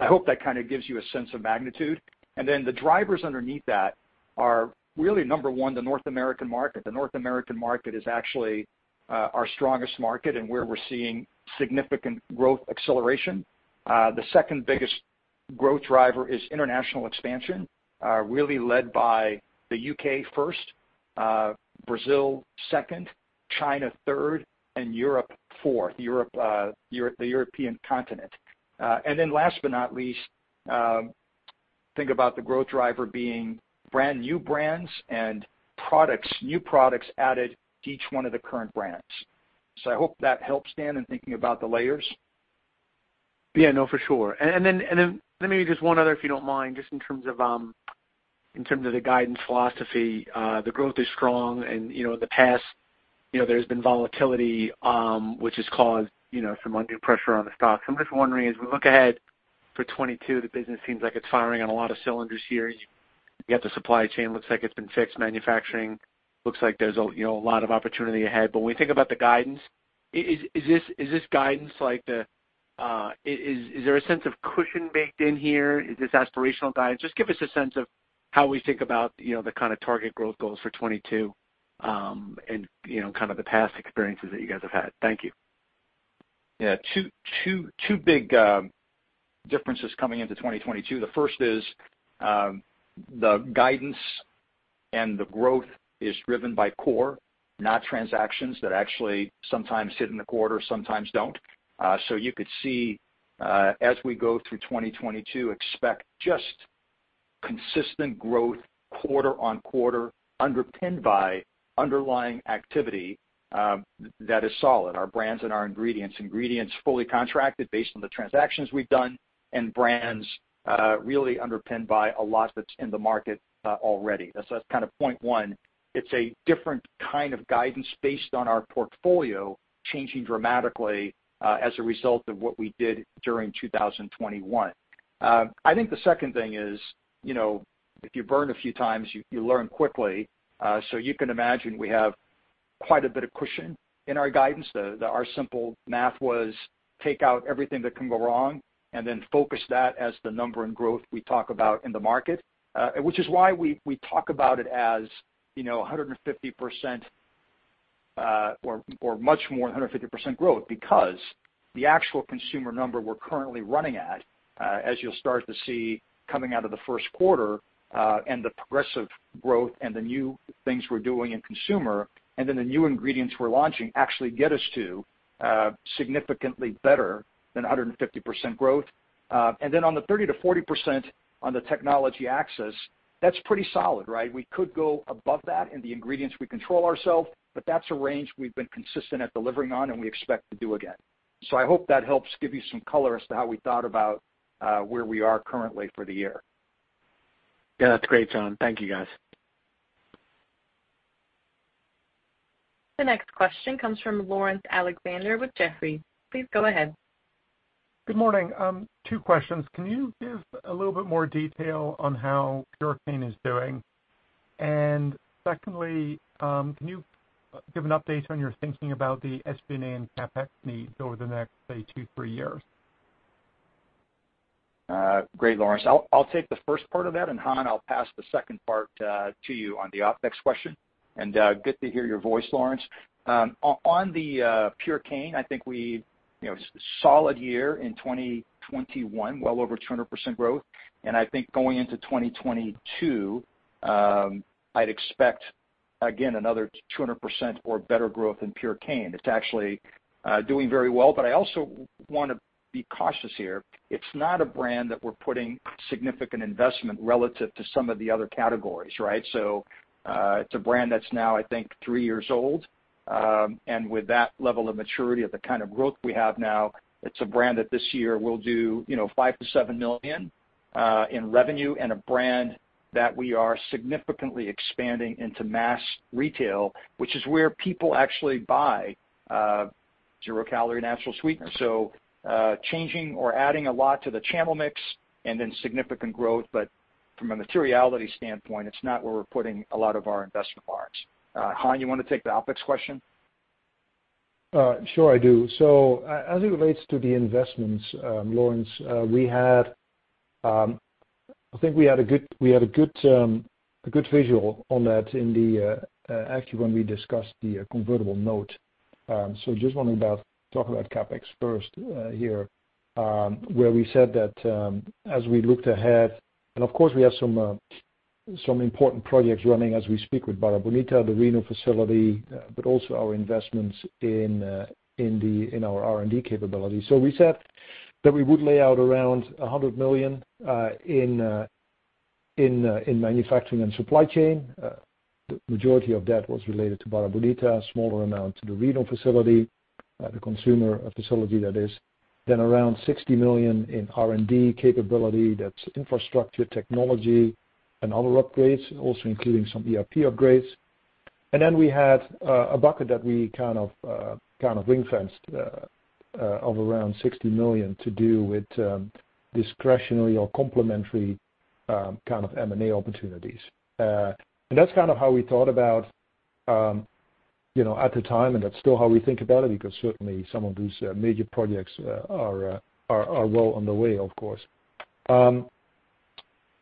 [SPEAKER 3] I hope that kind of gives you a sense of magnitude. The drivers underneath that are really number one, the North American market. The North American market is actually our strongest market and where we're seeing significant growth acceleration. The second biggest growth driver is international expansion, really led by the U.K. first, Brazil second, China third, and Europe fourth. Europe, the European continent. Last but not least, think about the growth driver being brand new brands and products, new products added to each one of the current brands. I hope that helps, Dan, in thinking about the layers.
[SPEAKER 5] Yeah, no, for sure. Then maybe just one other, if you don't mind, just in terms of the guidance philosophy. The growth is strong and, you know, in the past, you know, there's been volatility, which has caused, you know, some undue pressure on the stock. I'm just wondering, as we look ahead for 2022, the business seems like it's firing on a lot of cylinders here. You got the supply chain looks like it's been fixed. Manufacturing looks like there's a lot of opportunity ahead. When we think about the guidance, is this guidance like the, is there a sense of cushion baked in here? Is this aspirational guidance? Just give us a sense of how we think about, you know, the kind of target growth goals for 2022, and you know, kind of the past experiences that you guys have had. Thank you.
[SPEAKER 3] Yeah, two big differences coming into 2022. The first is the guidance and the growth is driven by core, not transactions that actually sometimes hit in the quarter, sometimes don't. So you could see as we go through 2022, expect just consistent growth quarter on quarter, underpinned by underlying activity that is solid, our brands and our ingredients. Ingredients fully contracted based on the transactions we've done, and brands really underpinned by a lot that's in the market already. So that's kind of point one. It's a different kind of guidance based on our portfolio changing dramatically as a result of what we did during 2021. I think the second thing is, you know, if you burn a few times, you learn quickly. You can imagine we have quite a bit of cushion in our guidance. Our simple math was take out everything that can go wrong and then focus that as the number and growth we talk about in the market. Which is why we talk about it as, you know, 150%, or much more than 150% growth because the actual consumer number we're currently running at, as you'll start to see coming out of the first quarter, and the progressive growth and the new things we're doing in consumer, and then the new ingredients we're launching actually get us to significantly better than 150% growth. On the 30%-40% on the technology axis, that's pretty solid, right? We could go above that in the ingredients we control ourselves, but that's a range we've been consistent at delivering on and we expect to do again. I hope that helps give you some color as to how we thought about where we are currently for the year.
[SPEAKER 5] Yeah. That's great, John. Thank you, guys.
[SPEAKER 1] The next question comes from Laurence Alexander with Jefferies. Please go ahead.
[SPEAKER 6] Good morning. Two questions. Can you give a little bit more detail on how Purecane is doing? Secondly, can you give an update on your thinking about the SG&A CapEx needs over the next, say, two, three years?
[SPEAKER 3] Great, Laurence. I'll take the first part of that, and Han, I'll pass the second part to you on the OpEx question. Good to hear your voice, Laurence. On Purecane, I think you know, solid year in 2021, well over 200% growth. I think going into 2022, I'd expect again another 200% or better growth in Purecane. It's actually doing very well. But I also want to be cautious here. It's not a brand that we're putting significant investment relative to some of the other categories, right? It's a brand that's now, I think, three years old. With that level of maturity of the kind of growth we have now, it's a brand that this year will do, you know, $5 million-$7 million in revenue, and a brand that we are significantly expanding into mass retail, which is where people actually buy zero-calorie natural sweeteners. Changing or adding a lot to the channel mix and then significant growth. But from a materiality standpoint, it's not where we're putting a lot of our investment dollars. Han, you wanna take the OpEx question?
[SPEAKER 2] Sure I do. So as it relates to the investments, Laurence, we had a good visual on that in the actually when we discussed the convertible note. I just want to talk about CapEx first, here, where we said that, as we looked ahead, and of course we have some, important projects running as we speak with Barra Bonita, the Reno facility, but also our investments in our R&D capability. We said that we would lay out around $100 million in manufacturing and supply chain. The majority of that was related to Barra Bonita, a smaller amount to the Reno facility, the consumer facility that is, then around $60 million in R&D capability. That's infrastructure, technology and other upgrades, also including some ERP upgrades. We had a bucket that we kind of ring-fenced of around $60 million to do with discretionary or complementary kind of M&A opportunities. That's kind of how we thought about, you know, at the time, and that's still how we think about it, because certainly some of these major projects are well on the way, of course.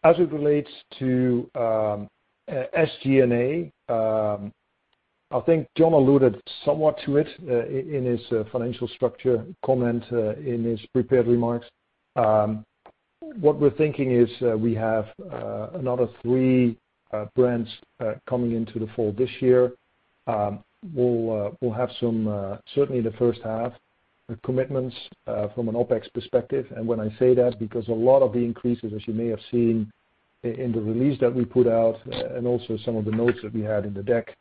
[SPEAKER 2] As it relates to SG&A, I think John alluded somewhat to it in his financial structure comment in his prepared remarks. What we're thinking is, we have another three brands coming into the fold this year. We'll have some commitments certainly in the first half from an OpEx perspective. When I say that, because a lot of the increases, as you may have seen in the release that we put out, and also some of the notes that we had in the deck,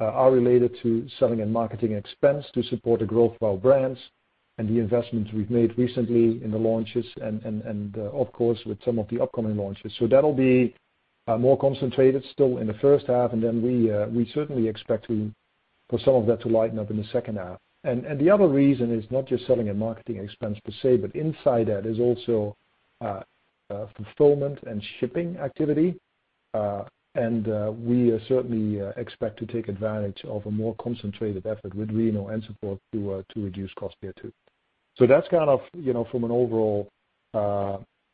[SPEAKER 2] are related to selling and marketing expense to support the growth of our brands and the investments we've made recently in the launches and, of course, with some of the upcoming launches. So that'll be more concentrated still in the first half. Then we certainly expect for some of that to lighten up in the second half. The other reason is not just selling and marketing expense per se, but inside that is also fulfillment and shipping activity. We certainly expect to take advantage of a more concentrated effort with R&D and support to reduce costs there too. That's kind of, you know, from an overall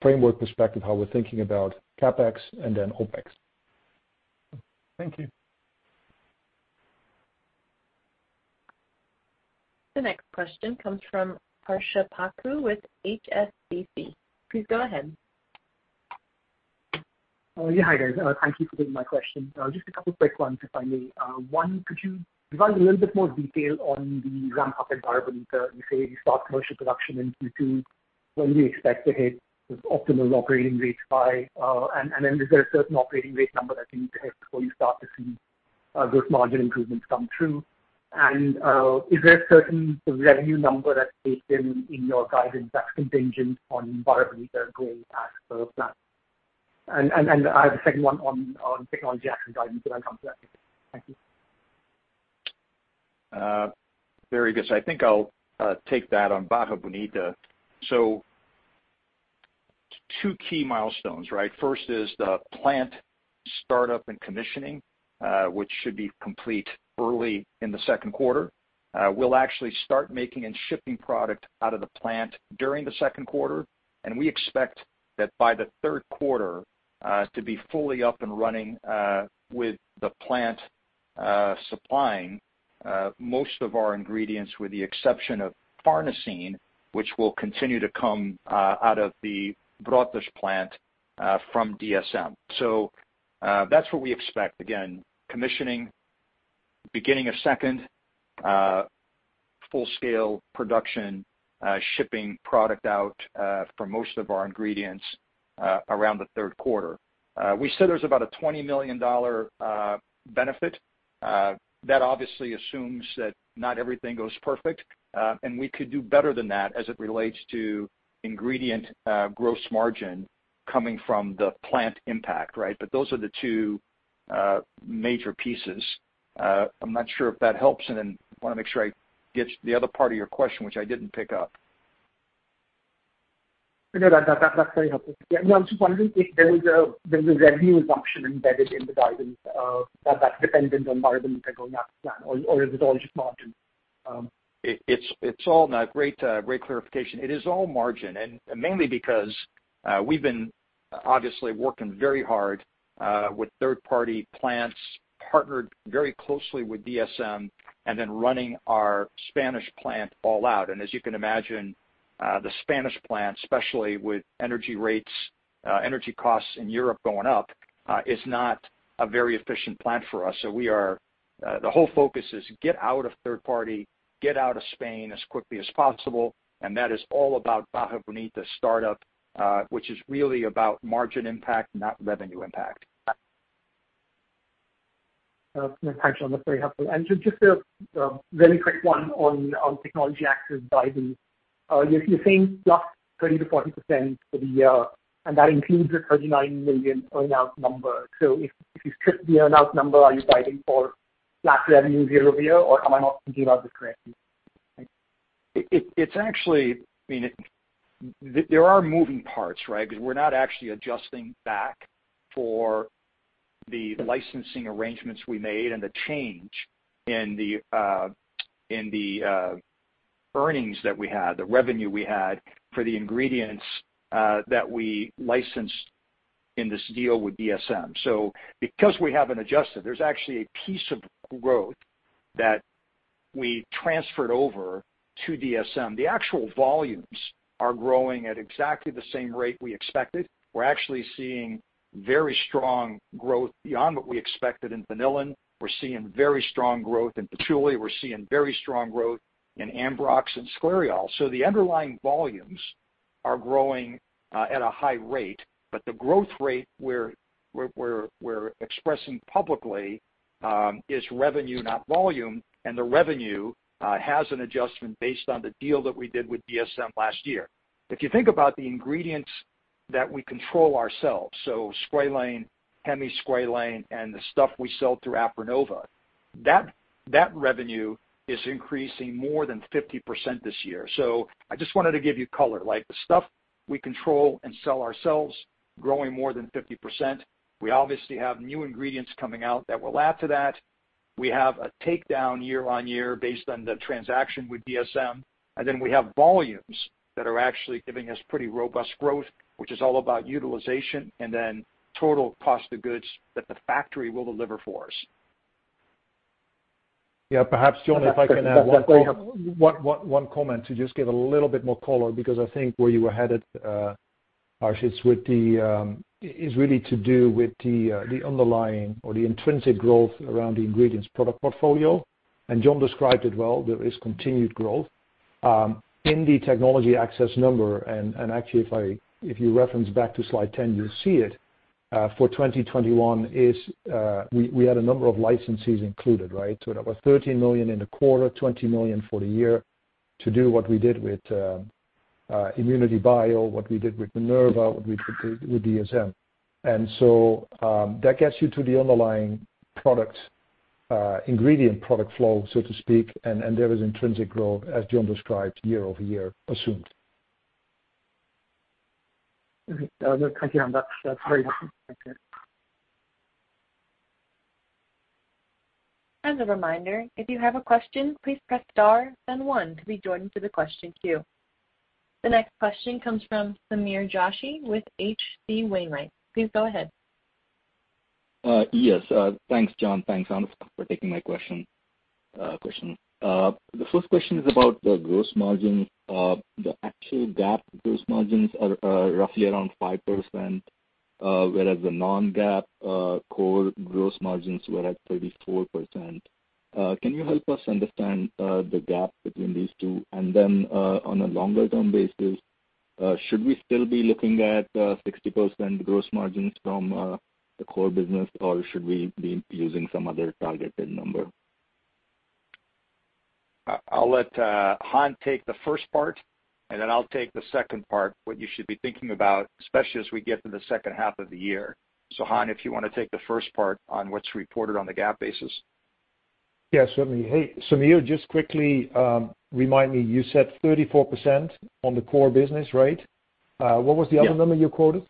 [SPEAKER 2] framework perspective, how we're thinking about CapEx and then OpEx.
[SPEAKER 6] Thank you.
[SPEAKER 1] The next question comes from Sriharsha Pappu with HSBC. Please go ahead.
[SPEAKER 7] Oh, yeah. Hi, guys. Thank you for taking my question. Just a couple quick ones, if I may. One, could you provide a little bit more detail on the ramp up at Barra Bonita? You say you start commercial production in Q2. When do you expect to hit those optimal operating rates by? And then is there a certain operating rate number that you need to hit before you start to see those margin improvements come through? And is there a certain revenue number that's baked in your guidance that's contingent on Barra Bonita going as per plan? And I have a second one on Technology Access guidance when I come to that. Thank you.
[SPEAKER 3] Very good. I think I'll take that on Barra Bonita. Two key milestones, right? First is the plant start-up and commissioning, which should be complete early in the second quarter. We'll actually start making and shipping product out of the plant during the second quarter, and we expect that by the third quarter to be fully up and running with the plant supplying most of our ingredients with the exception of farnesene, which will continue to come out of the Brotas plant from DSM. That's what we expect. Again, commissioning beginning of second full-scale production shipping product out for most of our ingredients around the third quarter. We said there's about a $20 million benefit. That obviously assumes that not everything goes perfect, and we could do better than that as it relates to ingredient, gross margin coming from the plant impact, right? But those are the two, major pieces. I'm not sure if that helps, and then wanna make sure I get the other part of your question, which I didn't pick up.
[SPEAKER 7] No, that's very helpful. Yeah, no, I'm just wondering if there's a revenue assumption embedded in the guidance that's dependent on Barra Bonita going as planned or is it all just margin?
[SPEAKER 3] No, great clarification. It is all margin, and mainly because we've been obviously working very hard with third-party plants, partnered very closely with DSM and then running our Spanish plant all out. As you can imagine, the Spanish plant, especially with energy costs in Europe going up, is not a very efficient plant for us. We are, the whole focus is get out of third-party, get out of Spain as quickly as possible. That is all about Barra Bonita's startup, which is really about margin impact, not revenue impact.
[SPEAKER 7] No, thanks, John. That's very helpful. Just a really quick one on Technology Access guidance. You're saying +30%-40% for the year, and that includes the $39 million earn-out number. If you strip the earn-out number, are you guiding for flat revenue zero view, or am I not thinking about this correctly? Thanks.
[SPEAKER 3] It's actually I mean, there are moving parts, right? Because we're not actually adjusting back for the licensing arrangements we made and the change in the earnings that we had, the revenue we had for the ingredients that we licensed in this deal with DSM. Because we haven't adjusted, there's actually a piece of growth that we transferred over to DSM. The actual volumes are growing at exactly the same rate we expected. We're actually seeing very strong growth beyond what we expected in vanillin. We're seeing very strong growth in patchouli. We're seeing very strong growth in ambrox and Sclareol. The underlying volumes are growing at a high rate, but the growth rate we're expressing publicly is revenue, not volume, and the revenue has an adjustment based on the deal that we did with DSM last year. If you think about the ingredients that we control ourselves, so squalane, hemisqualane, and the stuff we sell through Aprinnova, that revenue is increasing more than 50% this year. I just wanted to give you color, like the stuff we control and sell ourselves growing more than 50%. We obviously have new ingredients coming out that will add to that. We have a takedown year-over-year based on the transaction with DSM, and then we have volumes that are actually giving us pretty robust growth, which is all about utilization and then total cost of goods that the factory will deliver for us.
[SPEAKER 2] Yeah, perhaps, John, if I can add one comment to just give a little bit more color because I think where you were headed, Harsh, it is what is really to do with the underlying or the intrinsic growth around the ingredients product portfolio. John described it well, there is continued growth in the technology access number, and actually, if you reference back to slide 10, you'll see it, for 2021, we had a number of licensees included, right? It was $13 million in the quarter, $20 million for the year to do what we did with ImmunityBio, what we did with Minerva, what we did with DSM. That gets you to the underlying product ingredient product flow, so to speak. There is intrinsic growth as John described year-over-year assumed.
[SPEAKER 7] Okay. No, thank you, Han. That's very helpful. Thank you.
[SPEAKER 1] As a reminder, if you have a question, please press star then one to be joined to the question queue. The next question comes from Sameer Joshi with H.C. Wainwright. Please go ahead.
[SPEAKER 8] Yes, thanks John, thanks Han for taking my question. The first question is about the gross margin. The actual GAAP gross margins are roughly around 5%, whereas the non-GAAP core gross margins were at 34%. Can you help us understand the gap between these two? Then, on a longer-term basis, should we still be looking at 60% gross margins from the core business, or should we be using some other targeted number?
[SPEAKER 3] I'll let Han take the first part, and then I'll take the second part, what you should be thinking about, especially as we get to the second half of the year. Han, if you wanna take the first part on what's reported on the GAAP basis.
[SPEAKER 2] Yeah, certainly. Hey, Sameer, just quickly, remind me, you said 34% on the core business, right? What was the other number you quoted?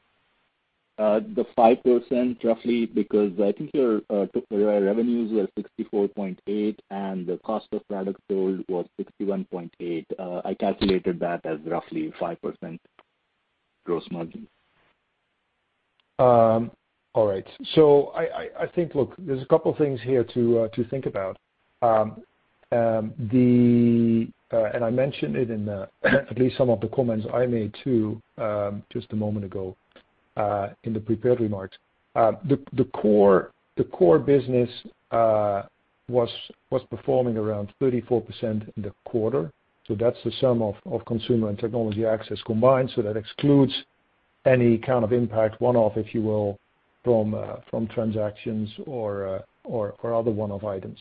[SPEAKER 8] The 5% roughly because I think your revenues were $64.8, and the cost of products sold was $61.8. I calculated that as roughly 5% gross margin.
[SPEAKER 2] All right. I think, look, there's a couple things here to think about. I mentioned it in at least some of the comments I made too, just a moment ago, in the prepared remarks. The core business was performing around 34% in the quarter. That's the sum of consumer and technology access combined. That excludes any kind of one-off impact, if you will, from transactions or other one-off items.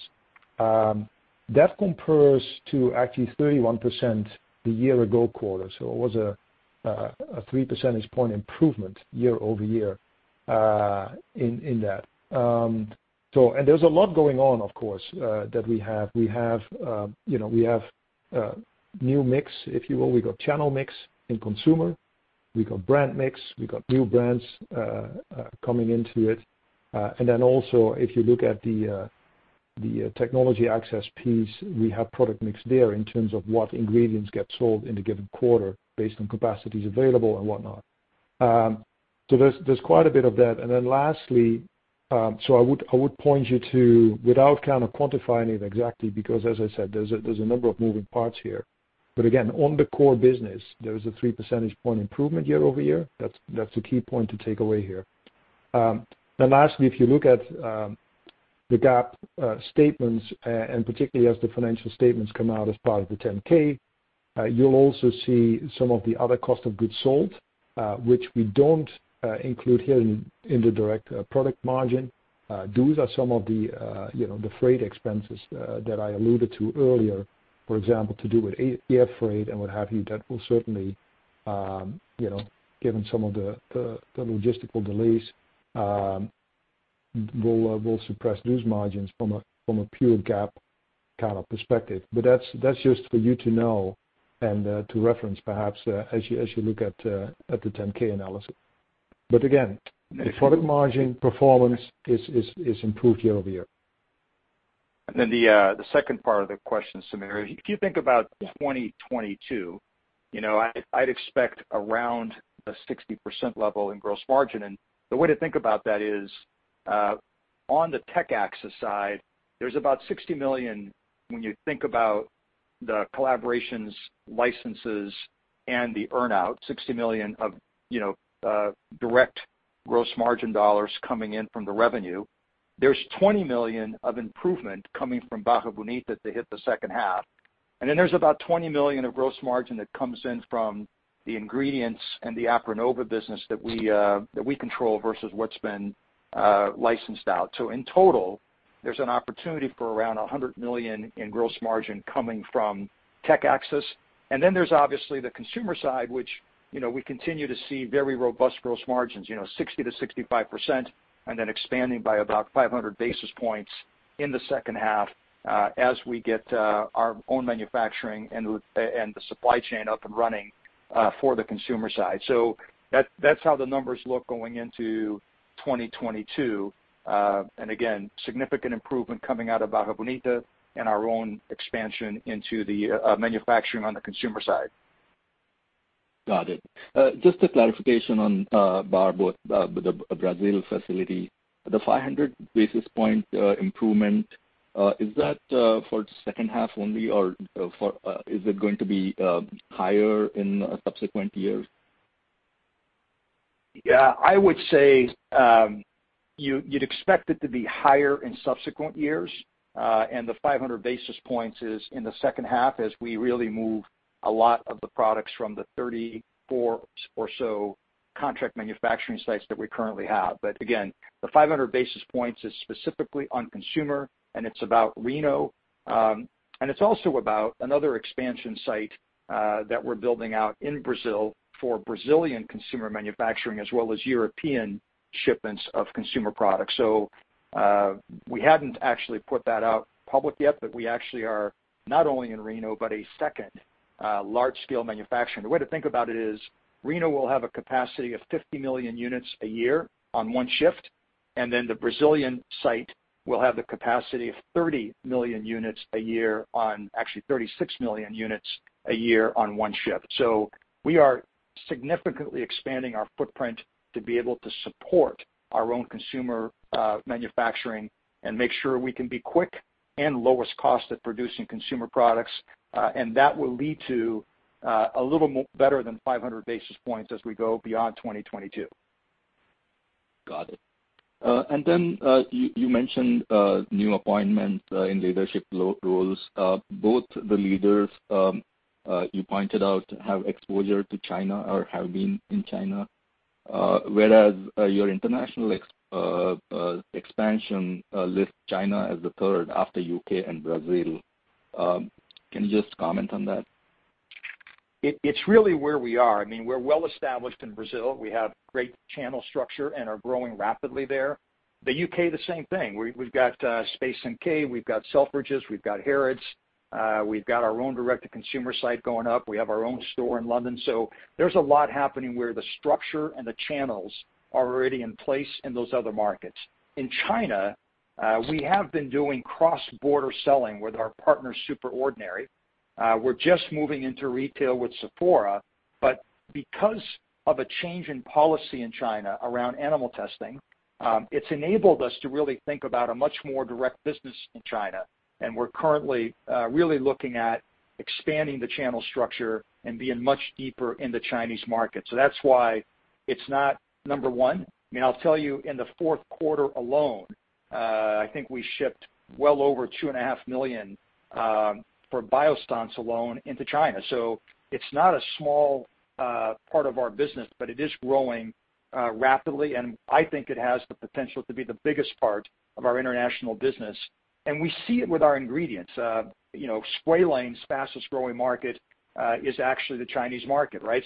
[SPEAKER 2] That compares to actually 31% the year-ago quarter. It was a three percentage point improvement year-over-year in that. And there's a lot going on, of course, that we have. We have, you know, new mix, if you will. We got channel mix in consumer. We got brand mix. We got new brands coming into it. And then also if you look at the technology access piece, we have product mix there in terms of what ingredients get sold in a given quarter based on capacities available and whatnot. So there's quite a bit of that. And then lastly, so I would point you to, without kind of quantifying it exactly, because as I said, there's a number of moving parts here. But again, on the core business, there is a three percentage point improvement year-over-year. That's the key point to take away here. If you look at the GAAP statements and particularly as the financial statements come out as part of the 10-K, you'll also see some of the other cost of goods sold, which we don't include here in the direct product margin. Those are some of the, you know, the freight expenses that I alluded to earlier, for example, to do with air freight and what have you, that will certainly, you know, given some of the logistical delays, will suppress those margins from a pure GAAP kind of perspective. But that's just for you to know and to reference perhaps as you look at the 10-K analysis. Again, the product margin performance is improved year-over-year.
[SPEAKER 3] The second part of the question, Sameer, if you think about 2022. You know, I'd expect around the 60% level in gross margin. The way to think about that is, on the Tech Axis side, there's about $60 million when you think about the collaborations, licenses, and the earn-out, $60 million of, you know, direct gross margin dollars coming in from the revenue. There's $20 million of improvement coming from Barra Bonita to hit the second half. Then there's about $20 million of gross margin that comes in from the ingredients and the Aprinnova business that we, that we control versus what's been licensed out. In total, there's an opportunity for around $100 million in gross margin coming from Tech Axis. There's obviously the consumer side, which, you know, we continue to see very robust gross margins, you know, 60%-65%, and then expanding by about 500 basis points in the second half, as we get our own manufacturing and the and the supply chain up and running, for the consumer side. That, that's how the numbers look going into 2022. Again, significant improvement coming out of Barra Bonita and our own expansion into the manufacturing on the consumer side.
[SPEAKER 8] Got it. Just a clarification on Barra Bonita, Brazil facility. The 500 basis point improvement is that for second half only or is it going to be higher in subsequent years?
[SPEAKER 3] Yeah, I would say, you'd expect it to be higher in subsequent years. The 500 basis points is in the second half as we really move a lot of the products from the 34 or so contract manufacturing sites that we currently have. Again, the 500 basis points is specifically on consumer, and it's about Reno. It's also about another expansion site that we're building out in Brazil for Brazilian consumer manufacturing as well as European shipments of consumer products. We haven't actually put that out publicly yet, but we actually are not only in Reno, but a second large scale manufacturing. The way to think about it is Reno will have a capacity of 50 million units a year on one shift, and then the Brazilian site will have the capacity of actually 36 million units a year on one shift. We are significantly expanding our footprint to be able to support our own consumer manufacturing and make sure we can be quick and lowest cost at producing consumer products, and that will lead to a little more better than 500 basis points as we go beyond 2022.
[SPEAKER 8] Got it. You mentioned new appointments in leadership roles. Both the leaders you pointed out have exposure to China or have been in China, whereas your international expansion lists China as the third after U.K. and Brazil. Can you just comment on that?
[SPEAKER 3] It's really where we are. I mean, we're well established in Brazil. We have great channel structure and are growing rapidly there. The U.K., the same thing. We've got Space NK, we've got Selfridges, we've got Harrods, we've got our own direct-to-consumer site going up. We have our own store in London. There's a lot happening where the structure and the channels are already in place in those other markets. In China, we have been doing cross-border selling with our partner, SuperOrdinary. We're just moving into retail with Sephora. But because of a change in policy in China around animal testing, it's enabled us to really think about a much more direct business in China. We're currently really looking at expanding the channel structure and being much deeper in the Chinese market. That's why it's not number one. I mean, I'll tell you, in the fourth quarter alone, I think we shipped well over 2.5 million for Biossance alone into China. It's not a small part of our business, but it is growing rapidly, and I think it has the potential to be the biggest part of our international business. We see it with our ingredients. You know, Squalane's fastest-growing market is actually the Chinese market, right?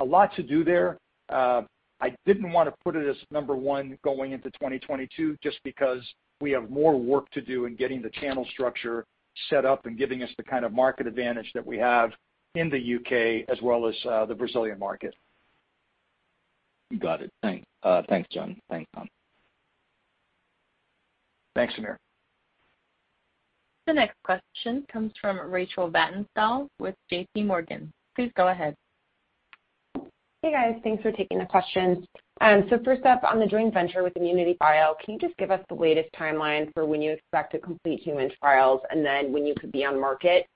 [SPEAKER 3] A lot to do there. I didn't wanna put it as number one going into 2022 just because we have more work to do in getting the channel structure set up and giving us the kind of market advantage that we have in the U.K. as well as the Brazilian market.
[SPEAKER 8] Got it. Thanks, John. Thanks, Han.
[SPEAKER 3] Thanks, Sameer.
[SPEAKER 1] The next question comes from Rachel Vatnsdal with JP Morgan. Please go ahead.
[SPEAKER 9] Hey, guys. Thanks for taking the questions. First up, on the joint venture with ImmunityBio, can you just give us the latest timeline for when you expect to complete human trials and then when you could be on market?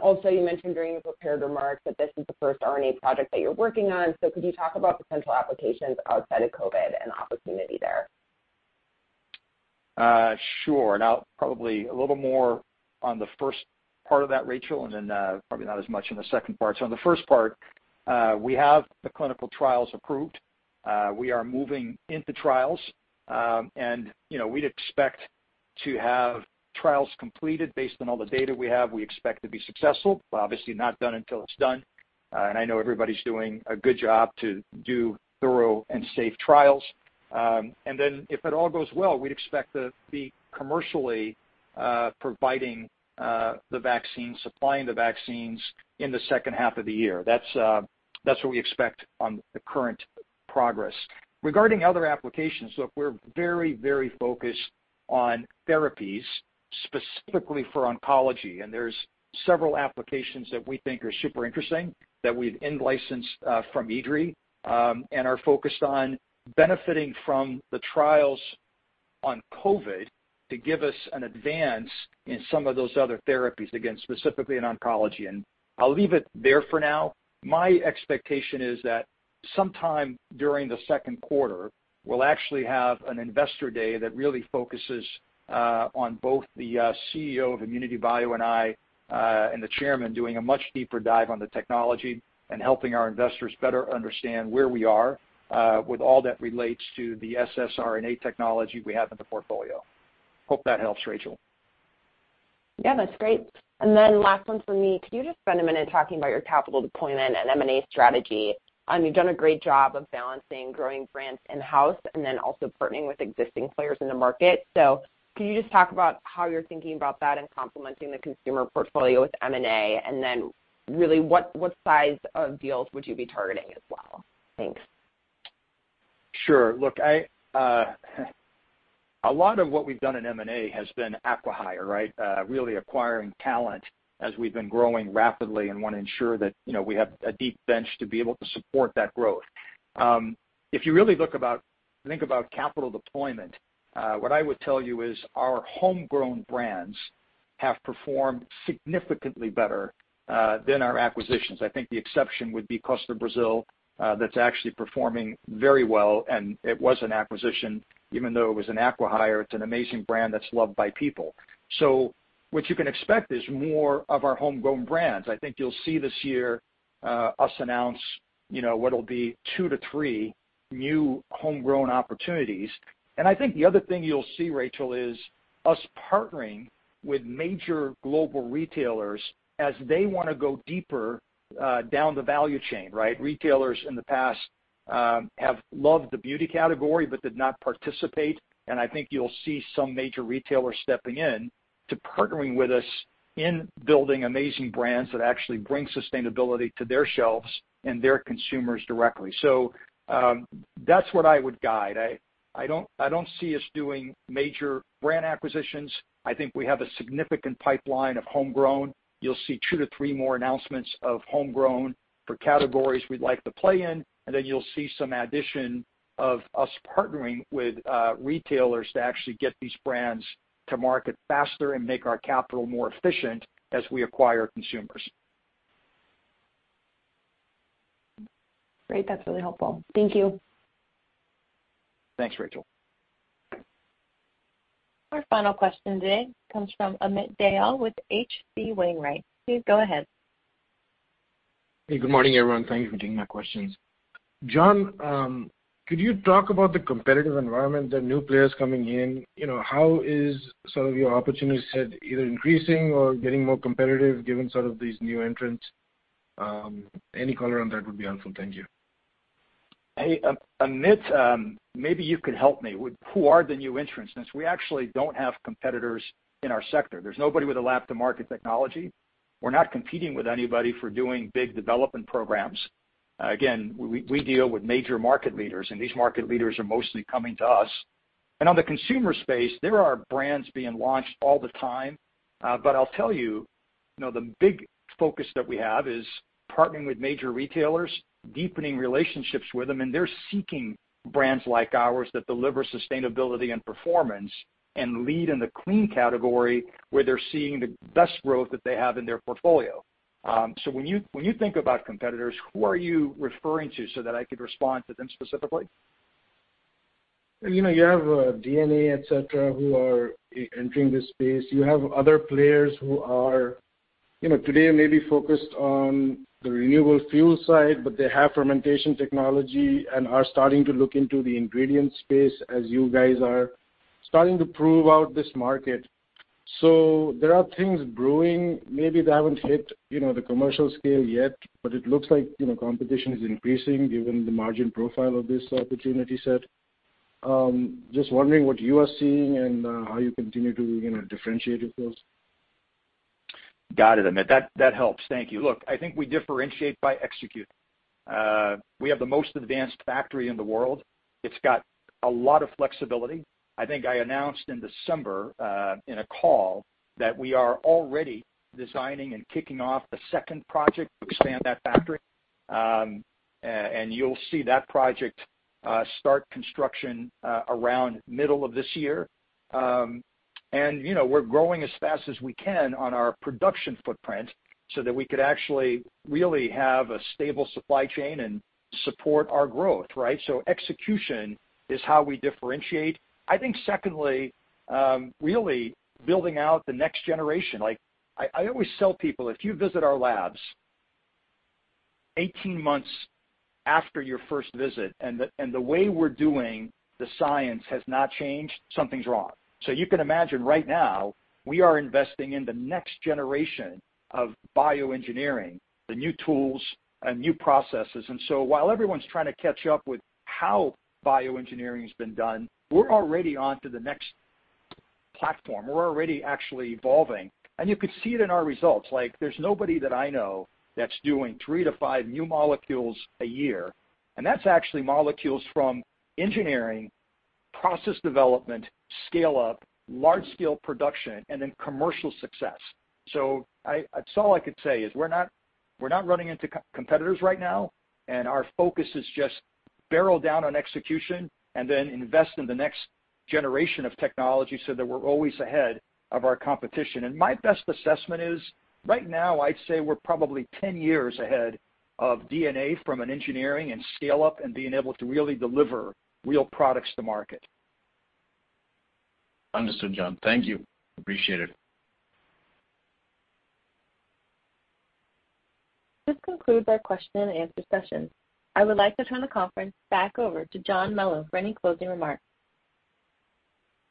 [SPEAKER 9] Also you mentioned during your prepared remarks that this is the first RNA project that you're working on. Could you talk about potential applications outside of COVID and opportunity there?
[SPEAKER 3] Sure. I'll probably a little more on the first part of that, Rachel, and then probably not as much in the second part. On the first part, we have the clinical trials approved. We are moving into trials. You know, we'd expect to have trials completed based on all the data we have, we expect to be successful. Obviously, not done until it's done. I know everybody's doing a good job to do thorough and safe trials. Then if it all goes well, we'd expect to be commercially providing the vaccine, supplying the vaccines in the second half of the year. That's what we expect on the current progress. Regarding other applications, look, we're very, very focused on therapies specifically for oncology, and there's several applications that we think are super interesting that we've in-licensed from IDRI, and are focused on benefiting from the trials on COVID to give us an advance in some of those other therapies, again, specifically in oncology. I'll leave it there for now. My expectation is that sometime during the second quarter, we'll actually have an investor day that really focuses on both the CEO of ImmunityBio and I and the chairman doing a much deeper dive on the technology and helping our investors better understand where we are with all that relates to the ssRNA technology we have in the portfolio. Hope that helps, Rachel.
[SPEAKER 9] Yeah, that's great. Then last one from me. Could you just spend a minute talking about your capital deployment and M&A strategy? You've done a great job of balancing growing brands in-house and then also partnering with existing players in the market. Can you just talk about how you're thinking about that and complementing the consumer portfolio with M&A? Then really, what size of deals would you be targeting as well? Thanks.
[SPEAKER 3] Sure. Look, a lot of what we've done in M&A has been acquihire, right? Really acquiring talent as we've been growing rapidly and wanna ensure that, you know, we have a deep bench to be able to support that growth. If you really think about capital deployment, what I would tell you is our homegrown brands have performed significantly better than our acquisitions. I think the exception would be Costa Brazil, that's actually performing very well, and it was an acquisition. Even though it was an acquihire, it's an amazing brand that's loved by people. What you can expect is more of our homegrown brands. I think you'll see this year, us announce, you know, what'll be two to three new homegrown opportunities. I think the other thing you'll see, Rachel, is us partnering with major global retailers as they wanna go deeper down the value chain, right? Retailers in the past have loved the beauty category but did not participate, and I think you'll see some major retailers stepping in to partnering with us in building amazing brands that actually bring sustainability to their shelves and their consumers directly. That's what I would guide. I don't see us doing major brand acquisitions. I think we have a significant pipeline of homegrown. You'll see two to three more announcements of homegrown for categories we'd like to play in, and then you'll see some addition of us partnering with retailers to actually get these brands to market faster and make our capital more efficient as we acquire consumers.
[SPEAKER 9] Great. That's really helpful. Thank you.
[SPEAKER 3] Thanks, Rachel.
[SPEAKER 1] Our final question today comes from Amit Dayal with H.C. Wainwright. Please go ahead.
[SPEAKER 10] Hey, good morning, everyone. Thank you for taking my questions. John, could you talk about the competitive environment, the new players coming in? You know, how is some of your opportunity set either increasing or getting more competitive given sort of these new entrants? Any color on that would be helpful. Thank you.
[SPEAKER 3] Hey, Amit, maybe you could help me with who are the new entrants, since we actually don't have competitors in our sector. There's nobody with a lab-to-market technology. We're not competing with anybody for doing big development programs. Again, we deal with major market leaders, and these market leaders are mostly coming to us. On the consumer space, there are brands being launched all the time, but I'll tell you know, the big focus that we have is partnering with major retailers, deepening relationships with them, and they're seeking brands like ours that deliver sustainability and performance and lead in the clean category where they're seeing the best growth that they have in their portfolio. When you think about competitors, who are you referring to so that I could respond to them specifically?
[SPEAKER 10] You know, you have DNA, et cetera, who are entering this space. You have other players who are, you know, today maybe focused on the renewable fuel side, but they have fermentation technology and are starting to look into the ingredient space as you guys are starting to prove out this market. There are things brewing, maybe they haven't hit, you know, the commercial scale yet, but it looks like, you know, competition is increasing given the margin profile of this opportunity set. Just wondering what you are seeing and how you continue to, you know, differentiate with those.
[SPEAKER 3] Got it, Amit. That helps. Thank you. Look, I think we differentiate by executing. We have the most advanced factory in the world. It's got a lot of flexibility. I think I announced in December in a call that we are already designing and kicking off a second project to expand that factory. You'll see that project start construction around middle of this year. You know, we're growing as fast as we can on our production footprint so that we could actually really have a stable supply chain and support our growth, right? Execution is how we differentiate. I think secondly, really building out the next generation. Like I always tell people, if you visit our labs 18 months after your first visit and the way we're doing the science has not changed, something's wrong. You can imagine right now we are investing in the next generation of bioengineering, the new tools and new processes. While everyone's trying to catch up with how bioengineering has been done, we're already on to the next platform. We're already actually evolving, and you could see it in our results. Like, there's nobody that I know that's doing three to five new molecules a year, and that's actually molecules from engineering, process development, scale-up, large scale production, and then commercial success. That's all I could say is we're not running into competitors right now, and our focus is just bear down on execution and then invest in the next generation of technology so that we're always ahead of our competition. My best assessment is right now, I'd say we're probably 10 years ahead of DNA from an engineering and scale-up and being able to really deliver real products to market
[SPEAKER 10] Understood, John. Thank you. Appreciate it.
[SPEAKER 1] This concludes our question and answer session. I would like to turn the conference back over to John Melo for any closing remarks.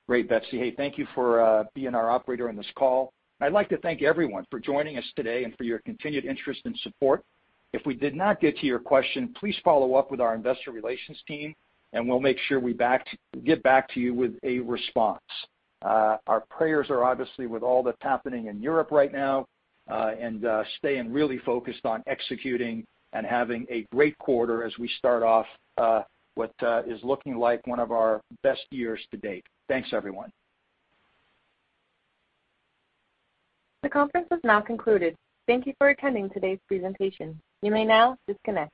[SPEAKER 3] Great, Betsy. Hey, thank you for being our operator on this call. I'd like to thank everyone for joining us today and for your continued interest and support. If we did not get to your question, please follow up with our Investor Relations team, and we'll make sure we get back to you with a response. Our prayers are obviously with all that's happening in Europe right now, and staying really focused on executing and having a great quarter as we start off what is looking like one of our best years to date. Thanks, everyone.
[SPEAKER 1] The conference has now concluded. Thank you for attending today's presentation. You may now disconnect.